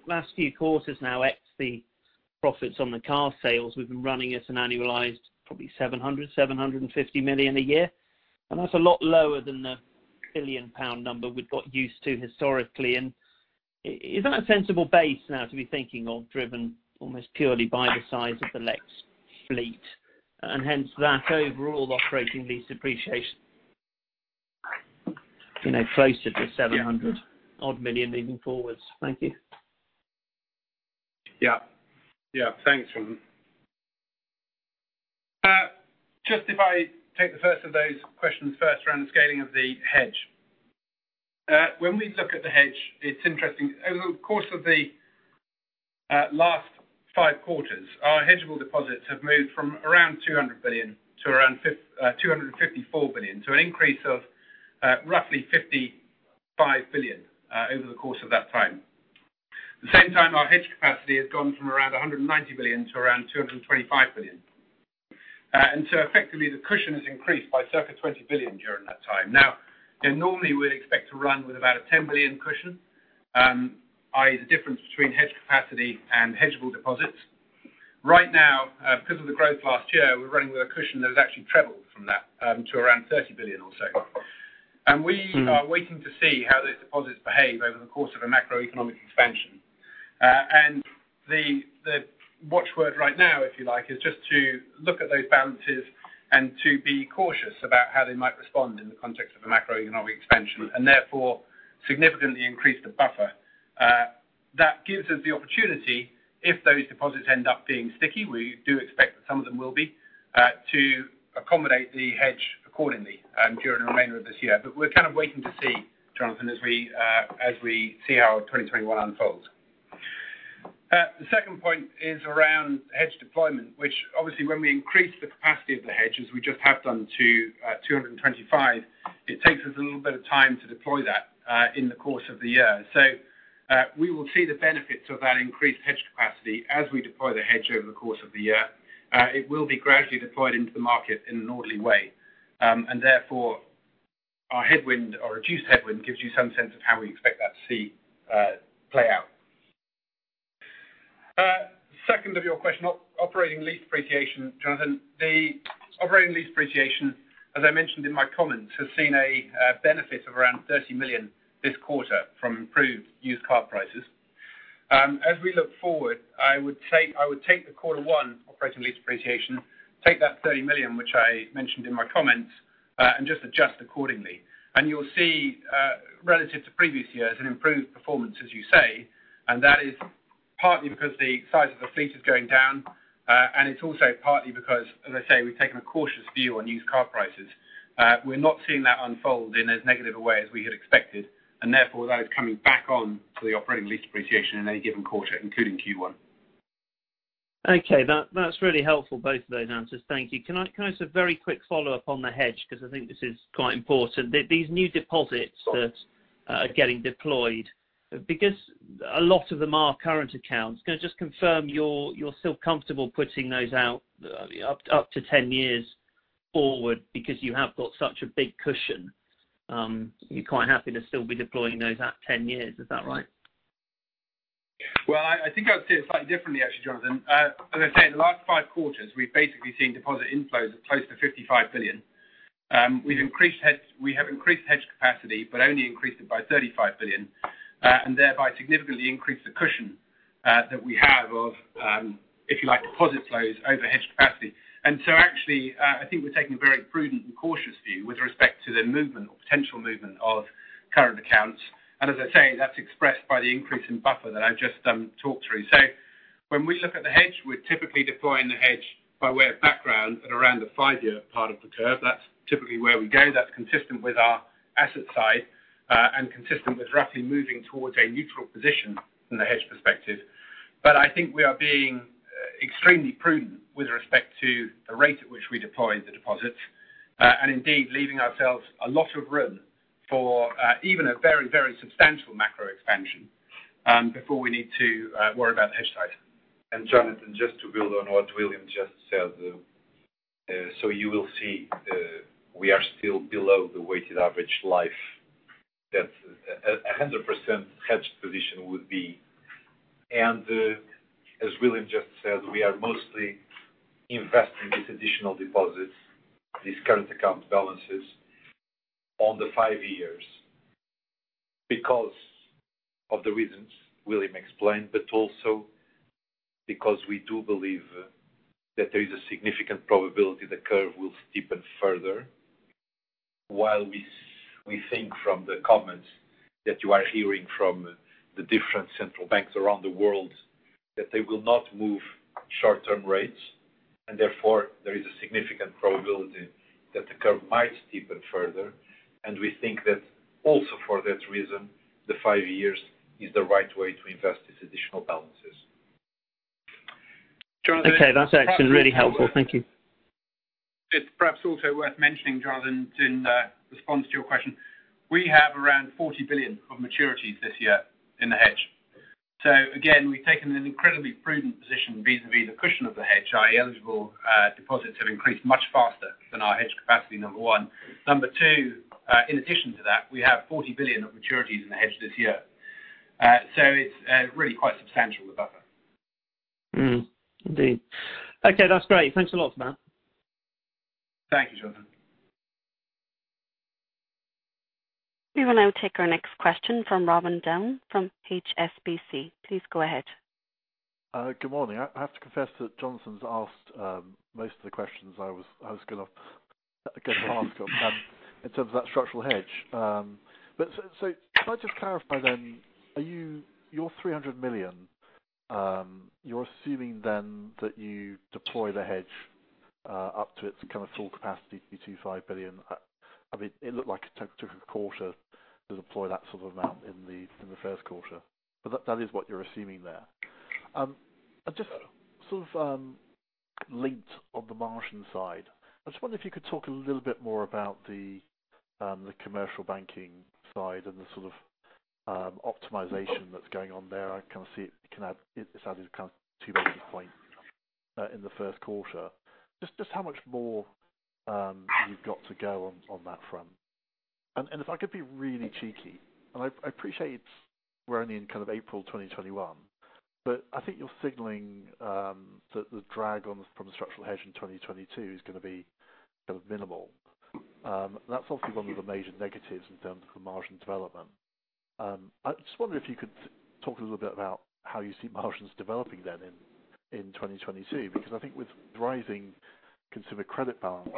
Last few quarters now, ex the profits on the car sales, we've been running at an annualized probably 700-750 million a year. That's a lot lower than the 1 billion pound number we've got used to historically. Isn't that a sensible base now to be thinking of driven almost purely by the size of the Lex fleet, and hence that overall operating lease depreciation closer to 700 million moving forwards? Thank you. Yeah. Thanks, Jonathan. Just if I take the first of those questions first around the scaling of the hedge. When we look at the hedge, it's interesting. Over the course of the last five quarters, our hedgeable deposits have moved from around 200 billion to around 254 billion, to an increase of roughly 55 billion over the course of that time. At the same time, our hedge capacity has gone from around 190 billion to around 225 billion. Effectively, the cushion has increased by circa 20 billion during that time. Now, normally we'd expect to run with about a 10 billion cushion. I.e., the difference between hedge capacity and hedgeable deposits. Right now, because of the growth last year, we're running with a cushion that has actually trebled from that to around 30 billion or so. We are waiting to see how those deposits behave over the course of a macroeconomic expansion. The watchword right now, if you like, is just to look at those balances and to be cautious about how they might respond in the context of a macroeconomic expansion, and therefore significantly increase the buffer. That gives us the opportunity if those deposits end up being sticky, we do expect that some of them will be, to accommodate the hedge accordingly during the remainder of this year. We're kind of waiting to see, Jonathan, as we see how 2021 unfolds. The second point is around hedge deployment, which obviously when we increase the capacity of the hedge, as we just have done to 225, it takes us a little bit of time to deploy that in the course of the year. We will see the benefits of that increased hedge capacity as we deploy the hedge over the course of the year. It will be gradually deployed into the market in an orderly way. Therefore our headwind, our reduced headwind gives you some sense of how we expect that to play out. Second of your question, operating lease depreciation, Jonathan. The operating lease depreciation, as I mentioned in my comments, has seen a benefit of around 30 million this quarter from improved used car prices. As we look forward, I would take the quarter one operating lease depreciation, take that 30 million, which I mentioned in my comments, and just adjust accordingly. You will see, relative to previous years, an improved performance, as you say. That is partly because the size of the fleet is going down. It's also partly because, as I say, we've taken a cautious view on used car prices. We're not seeing that unfold in as negative a way as we had expected. Therefore that is coming back on to the operating lease depreciation in any given quarter, including Q1. Okay. That's really helpful, both of those answers. Thank you. Can I ask a very quick follow-up on the hedge, because I think this is quite important. These new deposits that are getting deployed. Because a lot of them are current accounts, can I just confirm you're still comfortable putting those out up to 10 years forward because you have got such a big cushion. You're quite happy to still be deploying those at 10 years. Is that right? Well, I think I would say it slightly differently, actually, Jonathan. As I say, in the last 5 quarters, we've basically seen deposit inflows of close to 55 billion. We have increased hedge capacity, but only increased it by 35 billion, and thereby significantly increased the cushion that we have of, if you like, deposit flows over hedge capacity. Actually, I think we're taking a very prudent and cautious view with respect to the movement or potential movement of current accounts. As I say, that's expressed by the increase in buffer that I've just talked through. When we look at the hedge, we're typically deploying the hedge by way of background at around the 5-year part of the curve. That's typically where we go. That's consistent with our asset side, and consistent with roughly moving towards a neutral position from the hedge perspective. I think we are being extremely prudent with respect to the rate at which we deploy the deposits. Indeed, leaving ourselves a lot of room for even a very, very substantial macro expansion before we need to worry about the hedge side. Jonathan, just to build on what William just said. You will see we are still below the weighted average life that 100% hedged position would be. As William just said, we are mostly investing these additional deposits, these current account balances on the five years because of the reasons William explained, but also because we do believe that there is a significant probability the curve will steepen further. While we think from the comments that you are hearing from the different central banks around the world that they will not move short-term rates, and therefore there is a significant probability that the curve might steepen further. We think that also for that reason, the five years is the right way to invest these additional balances. Okay. That's actually really helpful. Thank you. It's perhaps also worth mentioning, Jonathan, in response to your question. We have around 40 billion of maturities this year in the hedge. Again, we've taken an incredibly prudent position vis-à-vis the cushion of the hedge, i.e., eligible deposits have increased much faster than our hedge capacity, number one. Number two, in addition to that, we have 40 billion of maturities in the hedge this year. It's really quite substantial, the buffer. Indeed. Okay, that's great. Thanks a lot for that. Thank you, Jonathan. We will now take our next question from Robin Down from HSBC. Please go ahead. Good morning. I have to confess that Jonathan's asked most of the questions I was going to I guess ask them in terms of that structural hedge. Can I just clarify then, your 300 million, you're assuming then that you deploy the hedge up to its kind of full capacity, 225 billion? It looked like it took a quarter to deploy that sort of amount in the first quarter. That is what you're assuming there. Just sort of linked on the margin side, I just wonder if you could talk a little bit more about the commercial banking side and the sort of optimization that's going on there. I kind of see it's added kind of 200 points in the first quarter. Just how much more you've got to go on that front. If I could be really cheeky, and I appreciate we're only in kind of April 2021, but I think you're signaling that the drag from the structural hedge in 2022 is going to be kind of minimal. That's obviously one of the major negatives in terms of the margin development. I just wonder if you could talk a little bit about how you see margins developing then in 2022. I think with rising consumer credit balances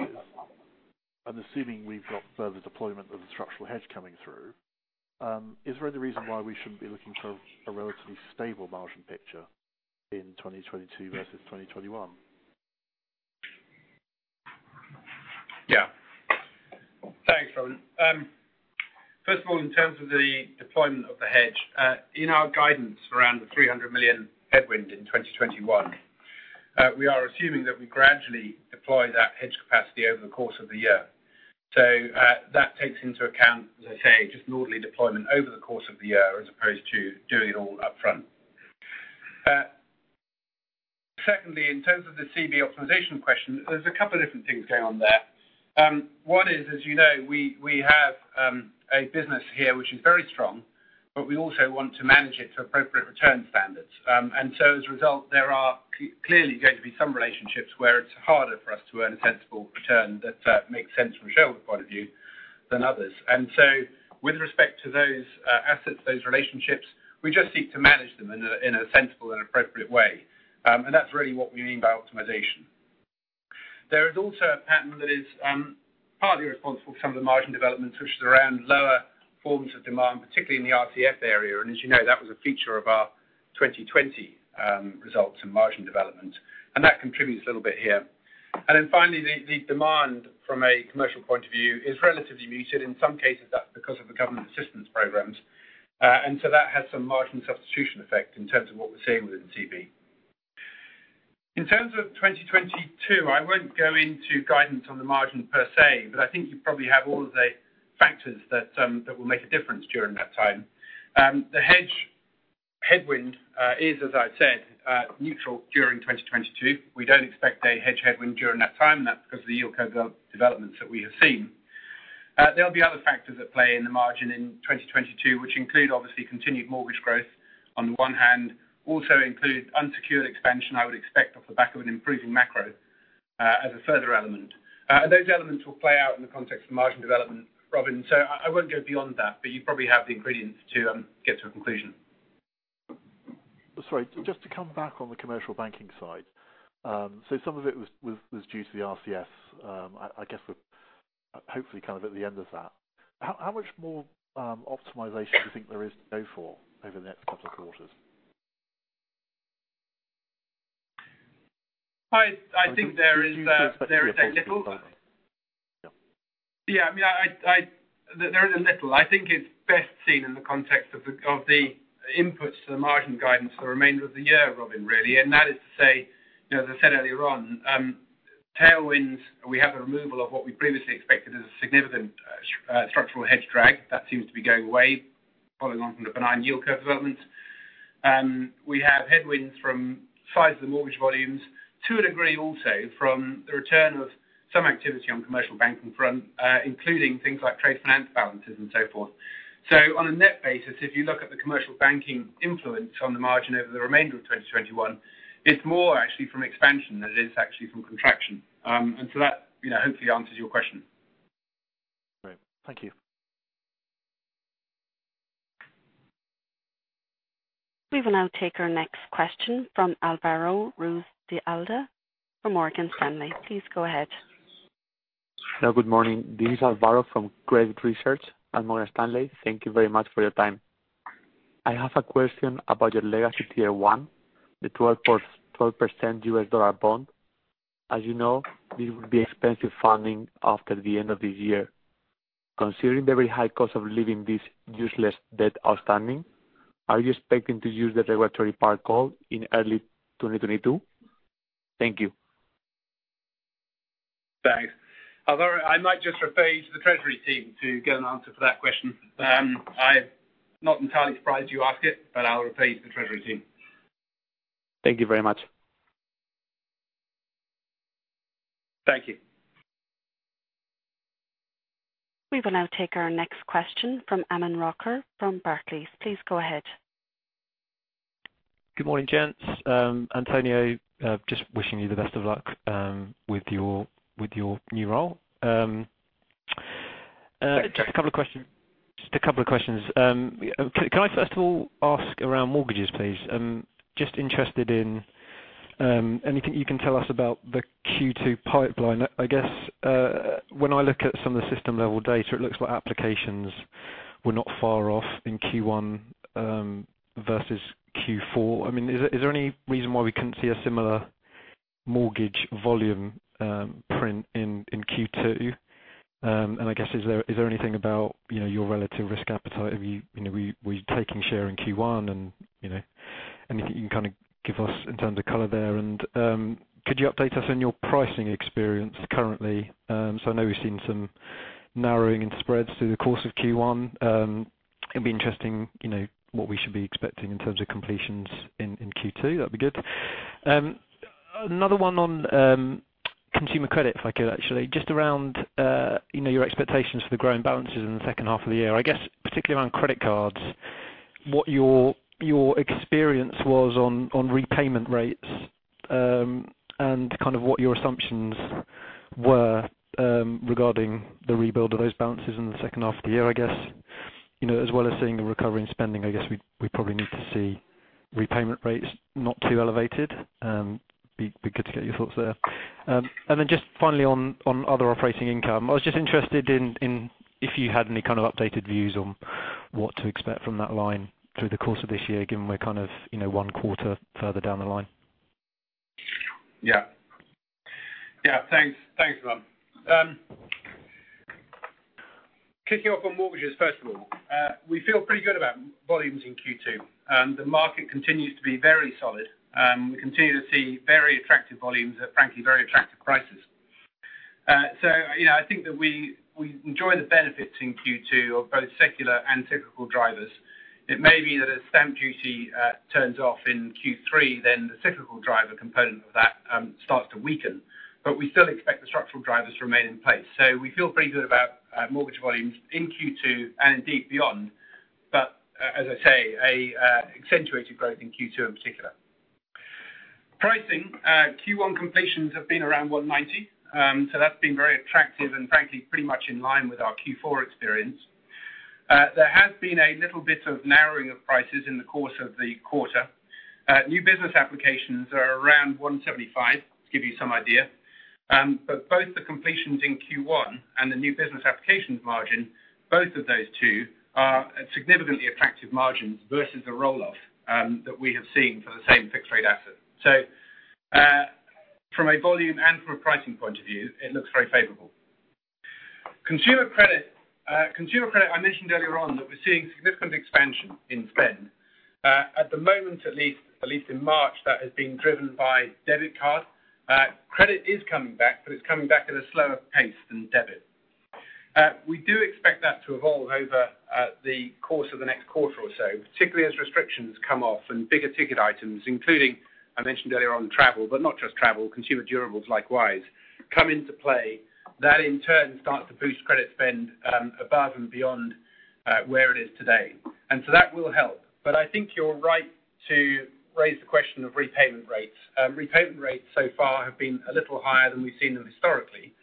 and assuming we've got further deployment of the structural hedge coming through, is there any reason why we shouldn't be looking for a relatively stable margin picture in 2022 versus 2021? Yeah. Thanks, Robin. First of all, in terms of the deployment of the hedge, in our guidance around the 300 million headwind in 2021, we are assuming that we gradually deploy that hedge capacity over the course of the year. That takes into account, as I say, just an orderly deployment over the course of the year as opposed to doing it all up front. Secondly, in terms of the CB optimization question, there's a couple of different things going on there. One is, as you know, we have a business here which is very strong, but we also want to manage it to appropriate return standards. As a result, there are clearly going to be some relationships where it's harder for us to earn a sensible return that makes sense from a shareholder point of view than others. With respect to those assets, those relationships, we just seek to manage them in a sensible and appropriate way. That's really what we mean by optimization. There is also a pattern that is partly responsible for some of the margin development, which is around lower forms of demand, particularly in the RCF area. As you know, that was a feature of our 2020 results and margin development. That contributes a little bit here. Finally, the demand from a commercial point of view is relatively muted. In some cases, that's because of the government assistance programs. That has some margin substitution effect in terms of what we're seeing within CB. In terms of 2022, I won't go into guidance on the margin per se, but I think you probably have all of the factors that will make a difference during that time. The hedge headwind is, as I said, neutral during 2022. We don't expect a hedge headwind during that time, and that's because of the yield curve developments that we have seen. There'll be other factors at play in the margin in 2022, which include obviously continued mortgage growth on the one hand, also include unsecured expansion, I would expect off the back of an improving macro as a further element. Those elements will play out in the context of margin development, Robin Down. I won't go beyond that, but you probably have the ingredients to get to a conclusion. Sorry, just to come back on the commercial banking side. Some of it was due to the RCF. I guess we're hopefully kind of at the end of that. How much more optimization do you think there is to go for over the next couple of quarters? I think there is. Do you expect there to be a pulse inside that? There is a little. I think it's best seen in the context of the inputs to the margin guidance for the remainder of the year, Robin, really. That is to say, as I said earlier on, tailwinds, we have the removal of what we previously expected as a significant structural hedge drag. That seems to be going away, following on from the benign yield curve developments. We have headwinds from size of the mortgage volumes, to a degree also from the return of some activity on commercial banking front, including things like trade finance balances and so forth. On a net basis, if you look at the commercial banking influence on the margin over the remainder of 2021, it's more actually from expansion than it is actually from contraction. That hopefully answers your question. Great. Thank you. We will now take our next question from Alvaro Ruiz de Alda from Morgan Stanley. Please go ahead. Hello, good morning. This is Alvaro from Credit Research at Morgan Stanley. Thank you very much for your time. I have a question about your legacy Tier 1, the 12% U.S. dollar bond. As you know, this will be expensive funding after the end of this year. Considering the very high cost of leaving this useless debt outstanding, are you expecting to use the regulatory par call in early 2022? Thank you. Thanks. Alvaro, I might just refer you to the treasury team to get an answer for that question. I'm not entirely surprised you asked it, but I'll refer you to the treasury team. Thank you very much. Thank you. We will now take our next question from Aman Rakkar from Barclays. Please go ahead. Good morning, gents. António, just wishing you the best of luck with your new role. Just a couple of questions. Can I first of all ask around mortgages, please? I'm just interested in anything you can tell us about the Q2 pipeline. I guess, when I look at some of the system-level data, it looks like applications were not far off in Q1 versus Q4. Is there any reason why we couldn't see a similar mortgage volume print in Q2? I guess, is there anything about your relative risk appetite? Were you taking share in Q1? Anything you can give us in terms of color there. Could you update us on your pricing experience currently? I know we've seen some narrowing in spreads through the course of Q1. It'd be interesting what we should be expecting in terms of completions in Q2. That'd be good. Another one on consumer credit, if I could, actually. Just around your expectations for the growing balances in the second half of the year. I guess particularly around credit cards, what your experience was on repayment rates, and what your assumptions were regarding the rebuild of those balances in the second half of the year, I guess. As well as seeing the recovery in spending, I guess we probably need to see repayment rates not too elevated. It'd be good to get your thoughts there. Just finally on other operating income, I was just interested if you had any kind of updated views on what to expect from that line through the course of this year, given we're one quarter further down the line. Yeah. Thanks, Aman. Kicking off on mortgages, first of all. We feel pretty good about volumes in Q2. The market continues to be very solid. We continue to see very attractive volumes at, frankly, very attractive prices. I think that we enjoy the benefits in Q2 of both secular and typical drivers. It may be that as stamp duty turns off in Q3, then the typical driver component of that starts to weaken. We still expect the structural drivers to remain in place. We feel pretty good about mortgage volumes in Q2 and indeed beyond. As I say, accentuated growth in Q2 in particular. Pricing. Q1 completions have been around 190. That's been very attractive and frankly, pretty much in line with our Q4 experience. There has been a little bit of narrowing of prices in the course of the quarter. New business applications are around 175, to give you some idea. Both the completions in Q1 and the new business applications margin, both of those two are significantly attractive margins versus the roll-off that we have seen for the same fixed rate asset. From a volume and from a pricing point of view, it looks very favorable. Consumer credit, I mentioned earlier on that we're seeing significant expansion in spend. At the moment, at least in March, that has been driven by debit card. Credit is coming back, but it's coming back at a slower pace than debit. We do expect that to evolve over the course of the next quarter or so, particularly as restrictions come off and bigger ticket items, including I mentioned earlier on travel, but not just travel, consumer durables likewise, come into play. That in turn starts to boost credit spend above and beyond where it is today. That will help. I think you're right to raise the question of repayment rates. Repayment rates so far have been a little higher than we've seen them historically.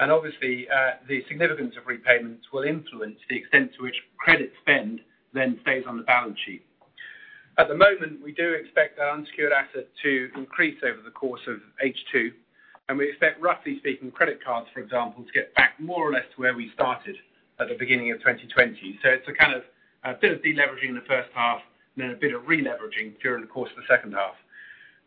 Obviously, the significance of repayments will influence the extent to which credit spend then stays on the balance sheet. At the moment, we do expect our unsecured asset to increase over the course of H2, and we expect, roughly speaking, credit cards, for example, to get back more or less to where we started at the beginning of 2020. It's a kind of a bit of de-leveraging in the first half and then a bit of re-leveraging during the course of the second half.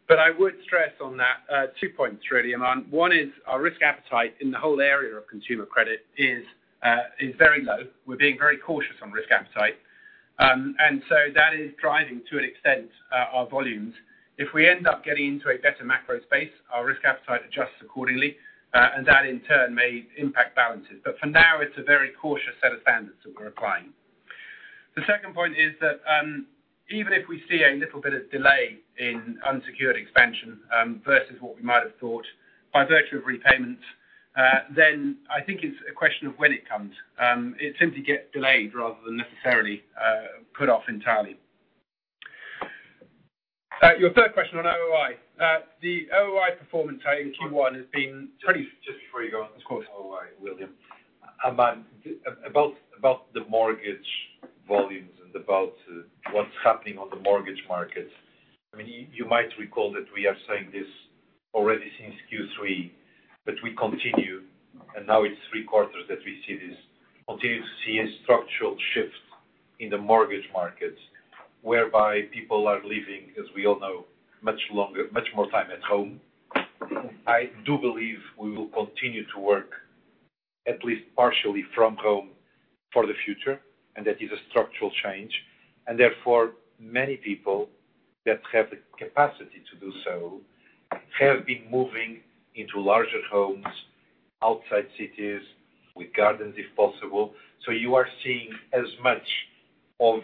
I would stress on that two points really, Aman. One is our risk appetite in the whole area of consumer credit is very low. We're being very cautious on risk appetite. That is driving, to an extent, our volumes. If we end up getting into a better macro space, our risk appetite adjusts accordingly, and that in turn may impact balances. For now, it's a very cautious set of standards that we're applying. The second point is that even if we see a little bit of delay in unsecured expansion versus what we might have thought by virtue of repayment, I think it's a question of when it comes. It simply gets delayed rather than necessarily put off entirely. Your third question on OOI. The OOI performance in Q1 has been pretty- Just before you go on. Of course. OOI, William. Aman, about the mortgage volumes and about what's happening on the mortgage market. You might recall that we are saying this already since Q3, we continue, and now it's three quarters that we see this, continue to see a structural shift in the mortgage markets whereby people are living, as we all know, much more time at home. I do believe we will continue to work at least partially from home for the future, that is a structural change. Therefore, many people that have the capacity to do so have been moving into larger homes outside cities with gardens, if possible. You are seeing as much of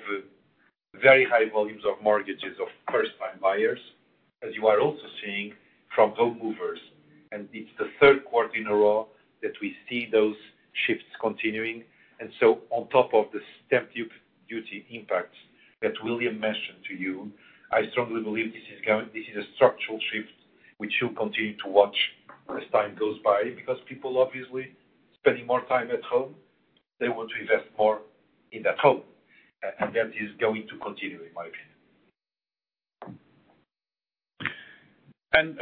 very high volumes of mortgages of first-time buyers, as you are also seeing from home movers. It's the third quarter in a row that we see those shifts continuing. On top of the stamp duty impact that William mentioned to you, I strongly believe this is a structural shift, which you'll continue to watch as time goes by, because people obviously spending more time at home, they want to invest more in that home. That is going to continue, in my opinion.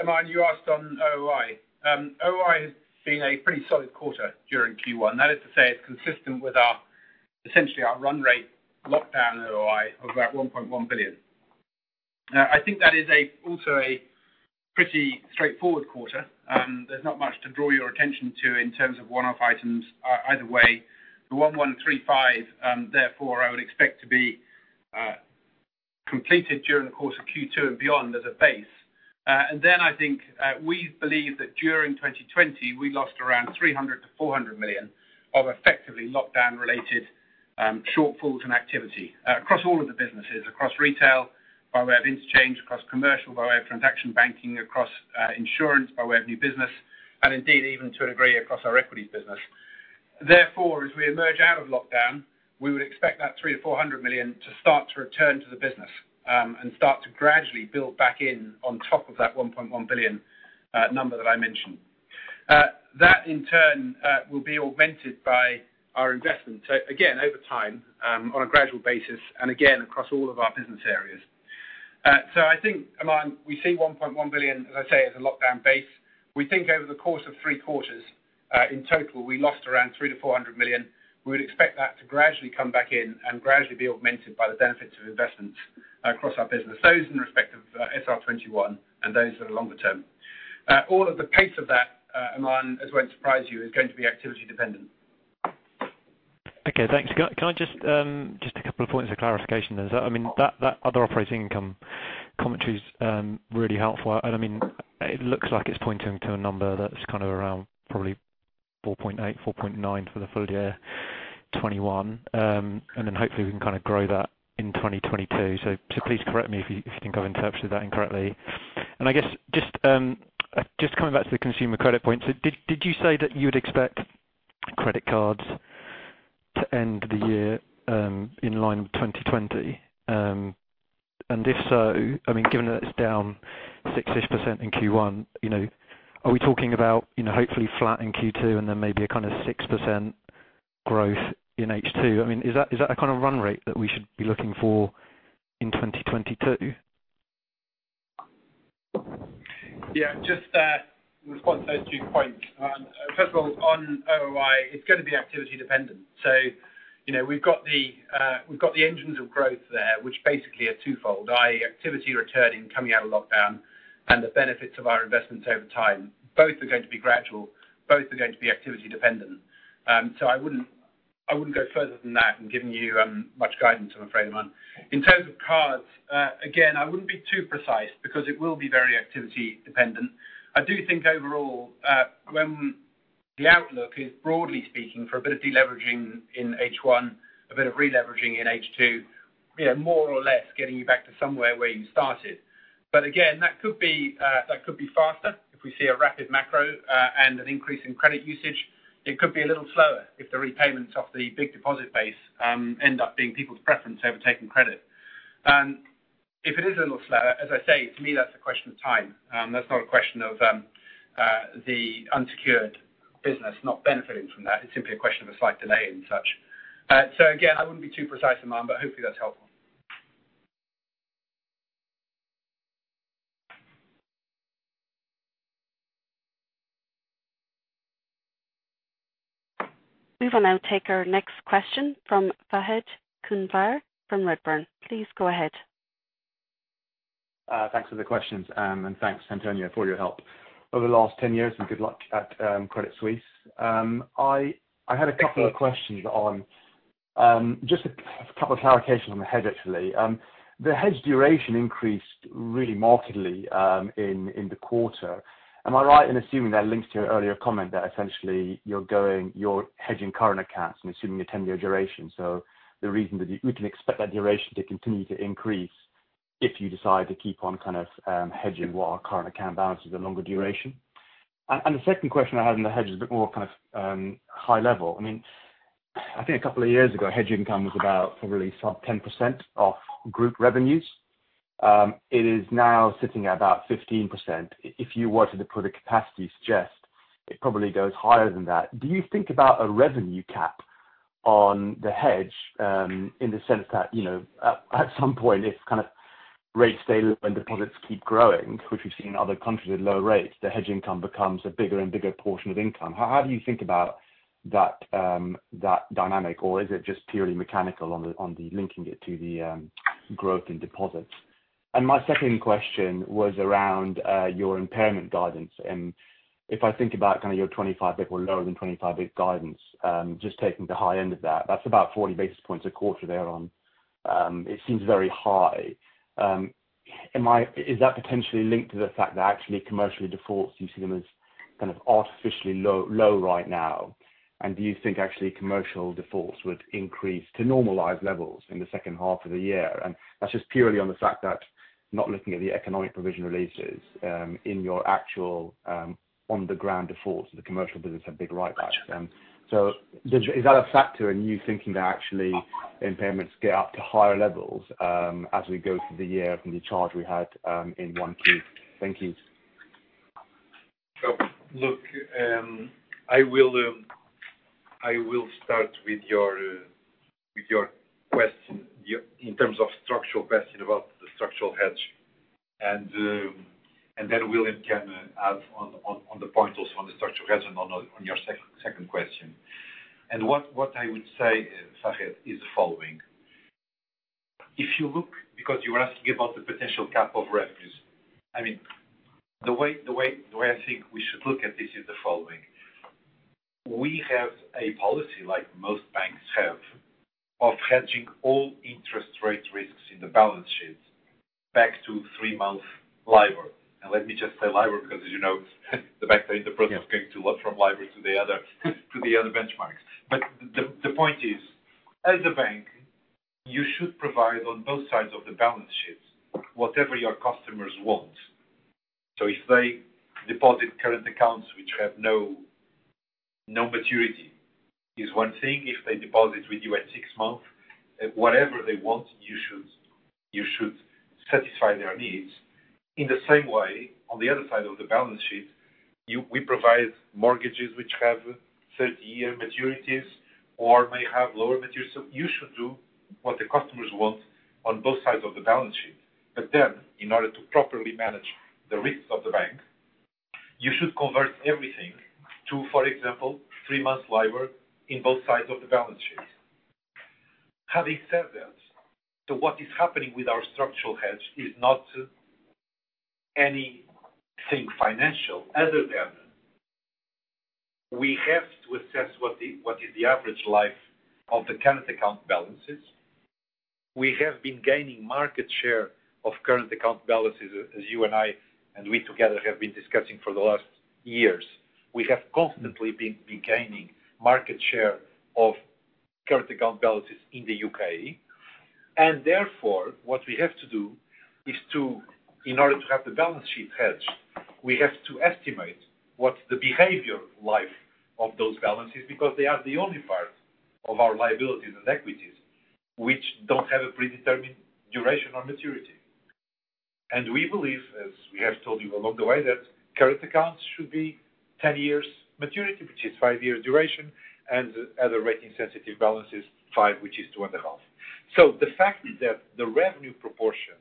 Aman, you asked on OOI. OOI has been a pretty solid quarter during Q1. That is to say it's consistent with essentially our run rate lockdown OOI of about 1.1 billion. I think that is also a pretty straightforward quarter. There is not much to draw your attention to in terms of one-off items either way. The 1,135 million, therefore, I would expect to be completed during the course of Q2 and beyond as a base. Then I think we believe that during 2020, we lost around 300-400 million of effectively lockdown related shortfalls and activity across all of the businesses: across retail by way of interchange, across commercial by way of transaction banking, across insurance by way of new business, and indeed even to a degree across our equities business. As we emerge out of lockdown, we would expect that 300-400 million to start to return to the business, and start to gradually build back in on top of that 1.1 billion number that I mentioned. That in turn, will be augmented by our investment. Again, over time, on a gradual basis, and again, across all of our business areas. I think, Aman, we see 1.1 billion, as I say, as a lockdown base. We think over the course of three quarters, in total, we lost around 300-400 million. We would expect that to gradually come back in and gradually be augmented by the benefits of investment across our business. Those in respect of SR21 and those that are longer term. All of the pace of that, Aman, it won't surprise you, is going to be activity dependent. Okay, thanks. Can I just, a couple of points of clarification there. That other operating income commentary's really helpful. It looks like it's pointing to a number that's around probably 4.8, 4.9 for the full year 2021. Hopefully we can kind of grow that in 2022. Please correct me if you think I've interpreted that incorrectly. I guess just coming back to the consumer credit point. Did you say that you would expect credit cards to end the year in line with 2020? If so, given that it's down 6%-ish in Q1, are we talking about hopefully flat in Q2 and then maybe a kind of 6% growth in H2? Is that a kind of run rate that we should be looking for in 2022? Yeah, just to respond to those two points. First of all, on OOI, it's going to be activity dependent. We've got the engines of growth there, which basically are twofold, i.e. activity returning coming out of lockdown and the benefits of our investments over time. Both are going to be gradual. Both are going to be activity dependent. I wouldn't go further than that in giving you much guidance, I'm afraid, Aman. In terms of cards, again, I wouldn't be too precise because it will be very activity dependent. I do think overall, when the outlook is broadly speaking for a bit of deleveraging in H1, a bit of releveraging in H2, more or less getting you back to somewhere where you started. Again, that could be faster if we see a rapid macro and an increase in credit usage. It could be a little slower if the repayments of the big deposit base end up being people's preference over taking credit. If it is a little slower, as I say, to me, that's a question of time. That's not a question of the unsecured business not benefiting from that. It's simply a question of a slight delay and such. Again, I wouldn't be too precise, Aman, but hopefully that's helpful. We will now take our next question from Fahed Kunwar from Redburn. Please go ahead. Thanks for the questions, and thanks, Antonio, for your help over the last 10 years and good luck at Credit Suisse. I had a couple of questions on just a couple of clarifications on the hedge, actually. The hedge duration increased really markedly in the quarter. Am I right in assuming that links to your earlier comment that essentially you're hedging current accounts and assuming a 10-year duration? The reason that we can expect that duration to continue to increase if you decide to keep on hedging what our current account balance is a longer duration. The second question I have on the hedge is a bit more kind of high level. I think a couple of years ago, hedge income was about probably 10% of group revenues. It is now sitting at about 15%. If you were to put a capacity suggest, it probably goes higher than that. Do you think about a revenue cap on the hedge? In the sense that, at some point, if rates stay low and deposits keep growing, which we have seen in other countries with low rates, the hedge income becomes a bigger and bigger portion of income. How do you think about that dynamic, or is it just purely mechanical on the linking it to the growth in deposits? My second question was around your impairment guidance, and if I think about your 25 basis or lower than 25 basis guidance, just taking the high end of that is about 40 basis points a quarter there on. It seems very high. Is that potentially linked to the fact that actually commercial defaults, you see them as kind of artificially low right now, and do you think actually commercial defaults would increase to normalized levels in the second half of the year? That's just purely on the fact that not looking at the economic provision releases, in your actual on the ground defaults, the commercial business have been right back. Is that a factor in you thinking that actually impairments get up to higher levels as we go through the year from the charge we had in Q1? Thank you. Look, I will start with your question in terms of structural question about the structural hedge. Then William Chalmers can add on the point also on the structural hedge and on your second question. What I would say, Fahed, is the following. If you look, because you're asking about the potential cap of revenues. The way I think we should look at this is the following. We have a policy like most banks have of hedging all interest rate risks in the balance sheets back to three-month LIBOR. Let me just say LIBOR because, as you know, the banks are in the process of going from LIBOR to the other benchmarks. The point is, as a bank, you should provide on both sides of the balance sheets whatever your customers want. If they deposit current accounts which have no maturity is one thing. If they deposit with you at six months, whatever they want, you should satisfy their needs. In the same way, on the other side of the balance sheet, we provide mortgages which have 30-year maturities or may have lower maturity. You should do what the customers want on both sides of the balance sheet. In order to properly manage the risks of the bank, you should convert everything to, for example, three-month LIBOR in both sides of the balance sheet. Having said that, what is happening with our structural hedge is not anything financial other than we have to assess what is the average life of the current account balances. We have been gaining market share of current account balances, as you and I, and we together have been discussing for the last years. We have constantly been gaining market share of current account balances in the U.K. Therefore, what we have to do is to, in order to have the balance sheet hedged, we have to estimate what's the behavior life of those balances, because they are the only part of our liabilities and equities which don't have a predetermined duration or maturity. We believe, as we have told you along the way, that current accounts should be 10 years maturity, which is five years duration, and the other rating sensitive balance is five, which is two and a half. The fact that the revenue proportion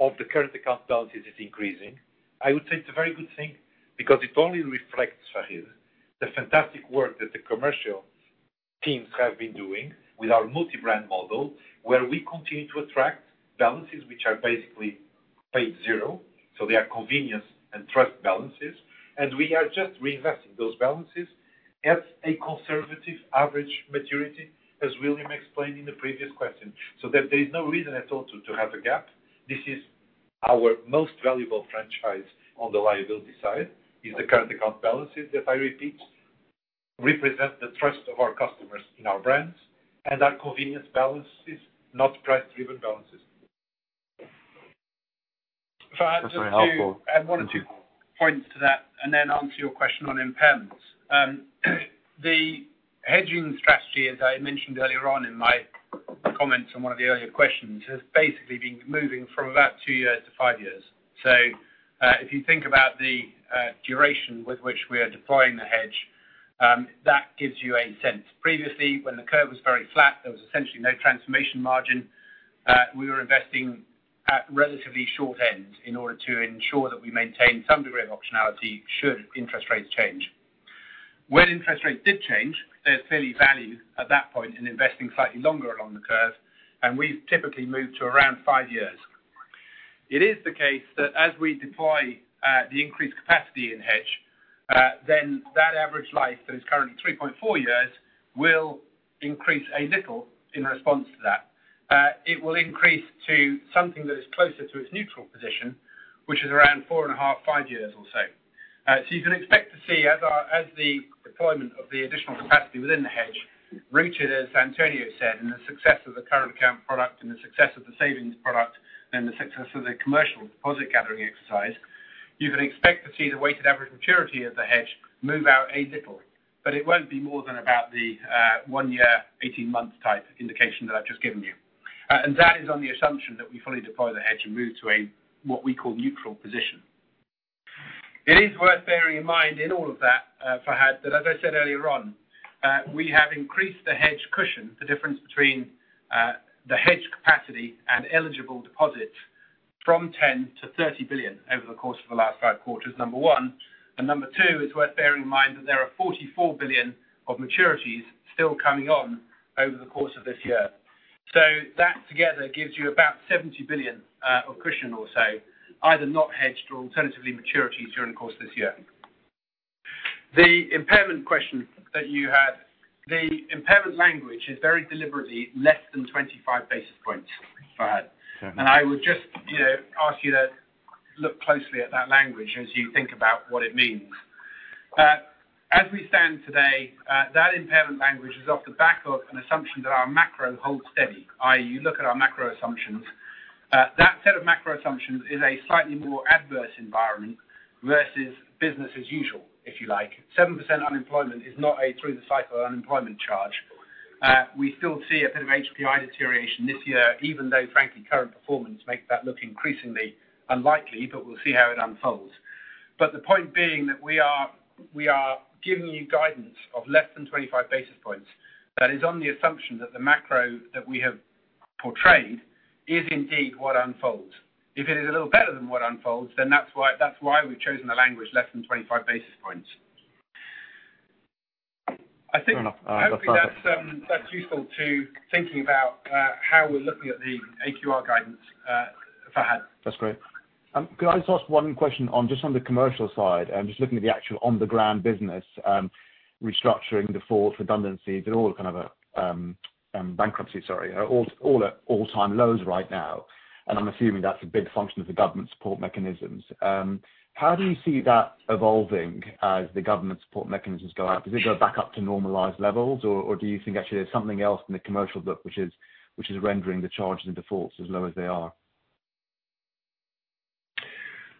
of the current account balances is increasing, I would say it is a very good thing because it only reflects, Fahed, the fantastic work that the commercial teams have been doing with our multi-brand model, where we continue to attract balances which are basically paid zero. They are convenience and trust balances. We are just reinvesting those balances at a conservative average maturity, as William explained in the previous question, so that there is no reason at all to have a gap. This is our most valuable franchise on the liability side, is the current account balances, if I repeat. Represent the trust of our customers in our brands and are convenience balances, not price-driven balances. Fahed, just to add one or two points to that and then answer your question on impairments. The hedging strategy, as I mentioned earlier on in my comments on one of the earlier questions, has basically been moving from about two years to five years. If you think about the duration with which we are deploying the hedge, that gives you a sense. Previously, when the curve was very flat, there was essentially no transformation margin. We were investing at relatively short end in order to ensure that we maintain some degree of optionality should interest rates change. When interest rates did change, there's clearly value at that point in investing slightly longer along the curve, and we've typically moved to around five years. It is the case that as we deploy the increased capacity in hedge, that average life that is currently 3.4 years will increase a little in response to that. It will increase to something that is closer to its neutral position, which is around 4.5 years or so. You can expect to see as the deployment of the additional capacity within the hedge reaches, as Antonio said, and the success of the current account product and the success of the savings product and the success of the commercial deposit gathering exercise, you can expect to see the weighted average maturity of the hedge move out a little. It won't be more than about the one year, 18 months type indication that I've just given you. That is on the assumption that we fully deploy the hedge and move to a, what we call neutral position. It is worth bearing in mind in all of that, Fahed, that as I said earlier on, we have increased the hedge cushion, the difference between the hedge capacity and eligible deposit from 10 billion to 30 billion over the course of the last five quarters, number one. Number two, it's worth bearing in mind that there are 44 billion of maturities still coming on over the course of this year. That together gives you about 70 billion of cushion or so, either not hedged or alternatively maturities during the course of this year. The impairment question that you had, the impairment language is very deliberately less than 25 basis points, Fahed. I would just ask you to look closely at that language as you think about what it means. As we stand today, that impairment language is off the back of an assumption that our macro holds steady, i.e., you look at our macro assumptions. That set of macro assumptions is a slightly more adverse environment versus business as usual, if you like. 7% unemployment is not a through the cycle unemployment charge. We still see a bit of HPI deterioration this year, even though frankly current performance makes that look increasingly unlikely, but we'll see how it unfolds. The point being that we are giving you guidance of less than 25 basis points. That is on the assumption that the macro that we have portrayed is indeed what unfolds. If it is a little better than what unfolds, then that's why we've chosen the language less than 25 basis points. Fair enough. I think that's useful to thinking about how we're looking at the AQR guidance, Fahad. That's great. Could I just ask one question just on the commercial side, just looking at the actual on-the-ground business, restructuring defaults, redundancies, and all kind of bankruptcy, sorry, are all at all-time lows right now, and I'm assuming that's a big function of the government support mechanisms. How do you see that evolving as the government support mechanisms go out? Does it go back up to normalized levels, or do you think actually there's something else in the commercial book which is rendering the charges and defaults as low as they are?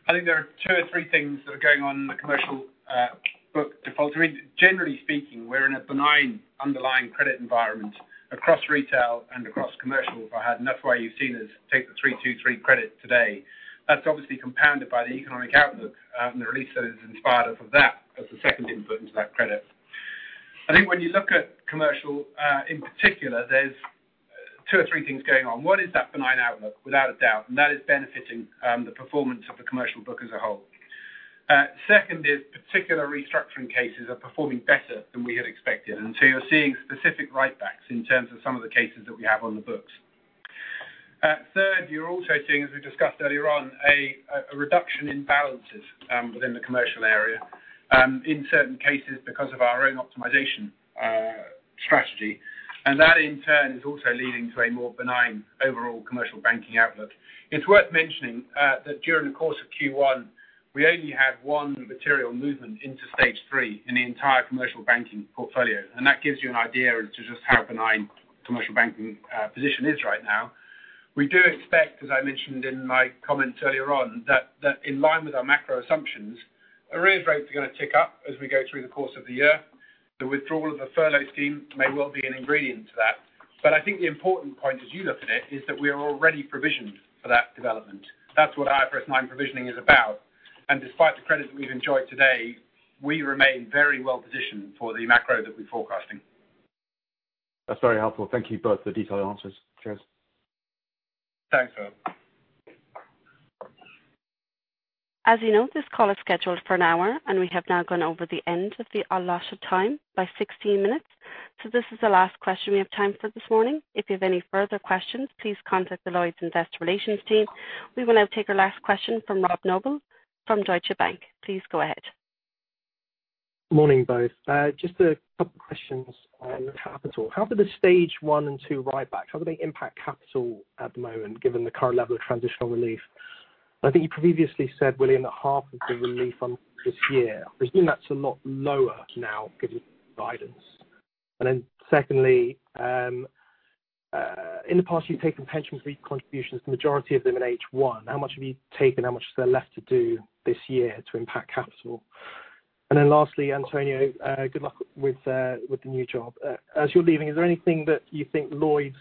I think there are two or three things that are going on in the commercial book defaults. Generally speaking, we're in a benign underlying credit environment across retail and across commercial, Fahed. That's why you've seen us take the 323 credit today. That's obviously compounded by the economic outlook and the release that is in spite of that as the second input into that credit. I think when you look at commercial in particular, there's two or three things going on. One is that benign outlook, without a doubt, and that is benefiting the performance of the commercial book as a whole. Second is particular restructuring cases are performing better than we had expected, so you're seeing specific write-backs in terms of some of the cases that we have on the books. Third, you're also seeing, as we discussed earlier on, a reduction in balances within the commercial area, in certain cases because of our own optimization strategy. That in turn is also leading to a more benign overall commercial banking outlook. It's worth mentioning that during the course of Q1, we only had one material movement into Stage three in the entire commercial banking portfolio, and that gives you an idea as to just how benign commercial banking position is right now. We do expect, as I mentioned in my comments earlier on, that in line with our macro assumptions, arrears rates are going to tick up as we go through the course of the year. The withdrawal of the furlough scheme may well be an ingredient to that. I think the important point as you look at it is that we are already provisioned for that development. That's what IFRS 9 provisioning is about. Despite the credit that we've enjoyed today, we remain very well positioned for the macro that we're forecasting. That's very helpful. Thank you both for the detailed answers. Cheers. Thanks, Fahed. As you know, this call is scheduled for an hour. We have now gone over the end of the allotted time by 16 minutes. This is the last question we have time for this morning. If you have any further questions, please contact the Lloyds Investor Relations team. We will now take our last question from Rob Noble from Deutsche Bank. Please go ahead. Morning, both. Just a couple questions on capital. How did the Stage one and two write-backs, how do they impact capital at the moment given the current level of transitional relief? I think you previously said, William, that half of the relief this year. I presume that's a lot lower now given the guidance. Secondly, in the past you've taken pension contributions, the majority of them in H1. How much have you taken? How much is there left to do this year to impact capital? Lastly, Antonio, good luck with the new job. As you're leaving, is there anything that you think Lloyds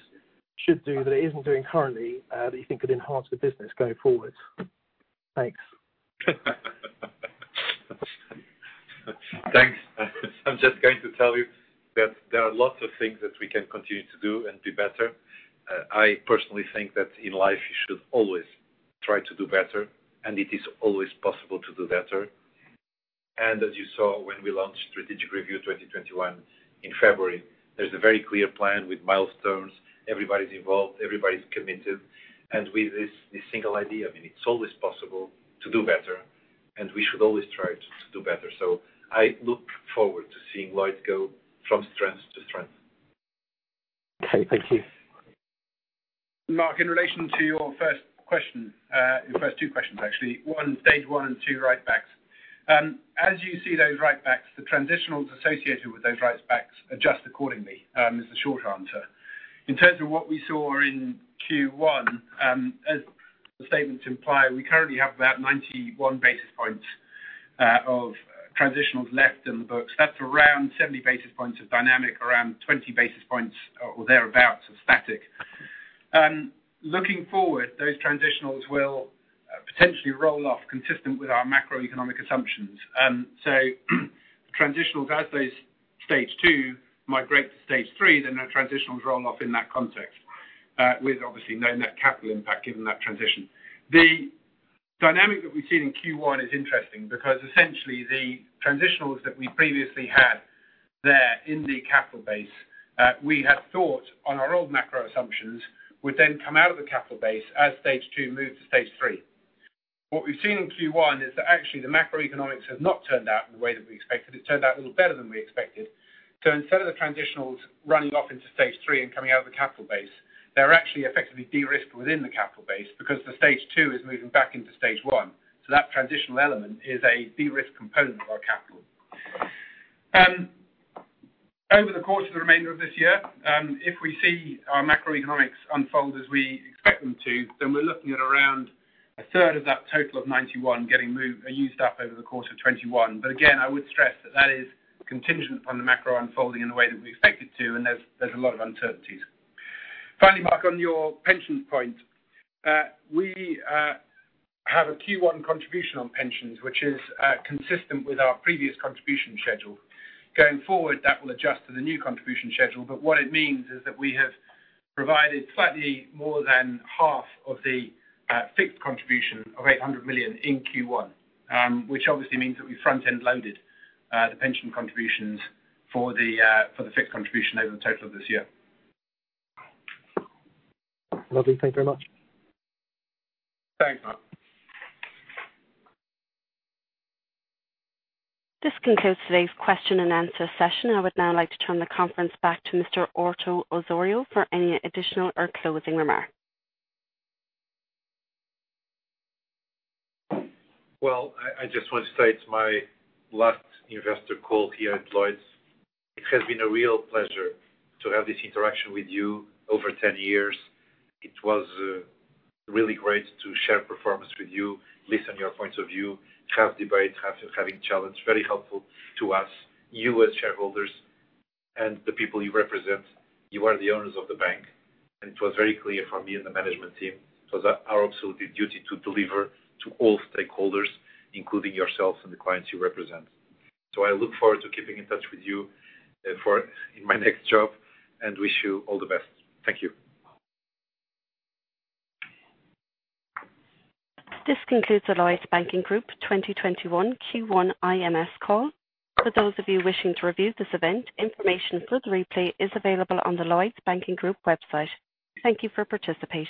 should do that it isn't doing currently that you think could enhance the business going forward? Thanks. Thanks. I'm just going to tell you that there are lots of things that we can continue to do and be better. I personally think that in life you should always try to do better, and it is always possible to do better. As you saw when we launched Strategic Review 2021 in February, there's a very clear plan with milestones. Everybody's involved, everybody's committed. With this single idea, it's always possible to do better, and we should always try to do better. I look forward to seeing Lloyds go from strength to strength. Okay. Thank you. Mark, in relation to your first question, your first two questions, actually, Stage one and two write-backs. As you see those write-backs, the transitionals associated with those write-backs adjust accordingly, is the short answer. In terms of what we saw in Q1, as the statements imply, we currently have about 91 basis points of transitionals left in the books. That's around 70 basis points of dynamic, around 20 basis points or thereabouts of static. Looking forward, those transitionals will potentially roll off consistent with our macroeconomic assumptions. Transitionals as those Stage two migrate to Stage three, then our transitionals roll off in that context, with obviously no net capital impact given that transition. The dynamic that we've seen in Q1 is interesting because essentially the transitionals that we previously had there in the capital base, we had thought on our old macro assumptions, would then come out of the capital base as Stage two moved to Stage three. What we've seen in Q1 is that actually the macroeconomics has not turned out in the way that we expected. It turned out a little better than we expected. So instead of the transitionals running off into Stage three and coming out of the capital base, they're actually effectively de-risked within the capital base because the Stage two is moving back into Stage one. So that transitional element is a de-risk component of our capital. Over the course of the remainder of this year, if we see our macroeconomics unfold as we expect them to, then we're looking at around a third of that total of 91 getting moved or used up over the course of 2021. Again, I would stress that is contingent on the macro unfolding in the way that we expect it to, and there's a lot of uncertainties. Finally, Mark, on your pensions point, we have a Q1 contribution on pensions, which is consistent with our previous contribution schedule. Going forward, that will adjust to the new contribution schedule, but what it means is that we have provided slightly more than half of the fixed contribution of 800 million in Q1, which obviously means that we front-end loaded the pension contributions for the fixed contribution over the total of this year. Lovely. Thank you very much. Thanks, Mark. This concludes today's question and answer session. I would now like to turn the conference back to Mr. António Horta-Osório for any additional or closing remarks. Well, I just want to say it's my last investor call here at Lloyds. It has been a real pleasure to have this interaction with you over 10 years. It was really great to share performance with you, listen your points of view, have debate, having challenge, very helpful to us. You as shareholders and the people you represent, you are the owners of the bank, and it was very clear for me and the management team it was our absolute duty to deliver to all stakeholders, including yourselves and the clients you represent. I look forward to keeping in touch with you in my next job and wish you all the best. Thank you. This concludes the Lloyds Banking Group 2021 Q1 IMS call. For those of you wishing to review this event, information for the replay is available on the Lloyds Banking Group website. Thank you for participating.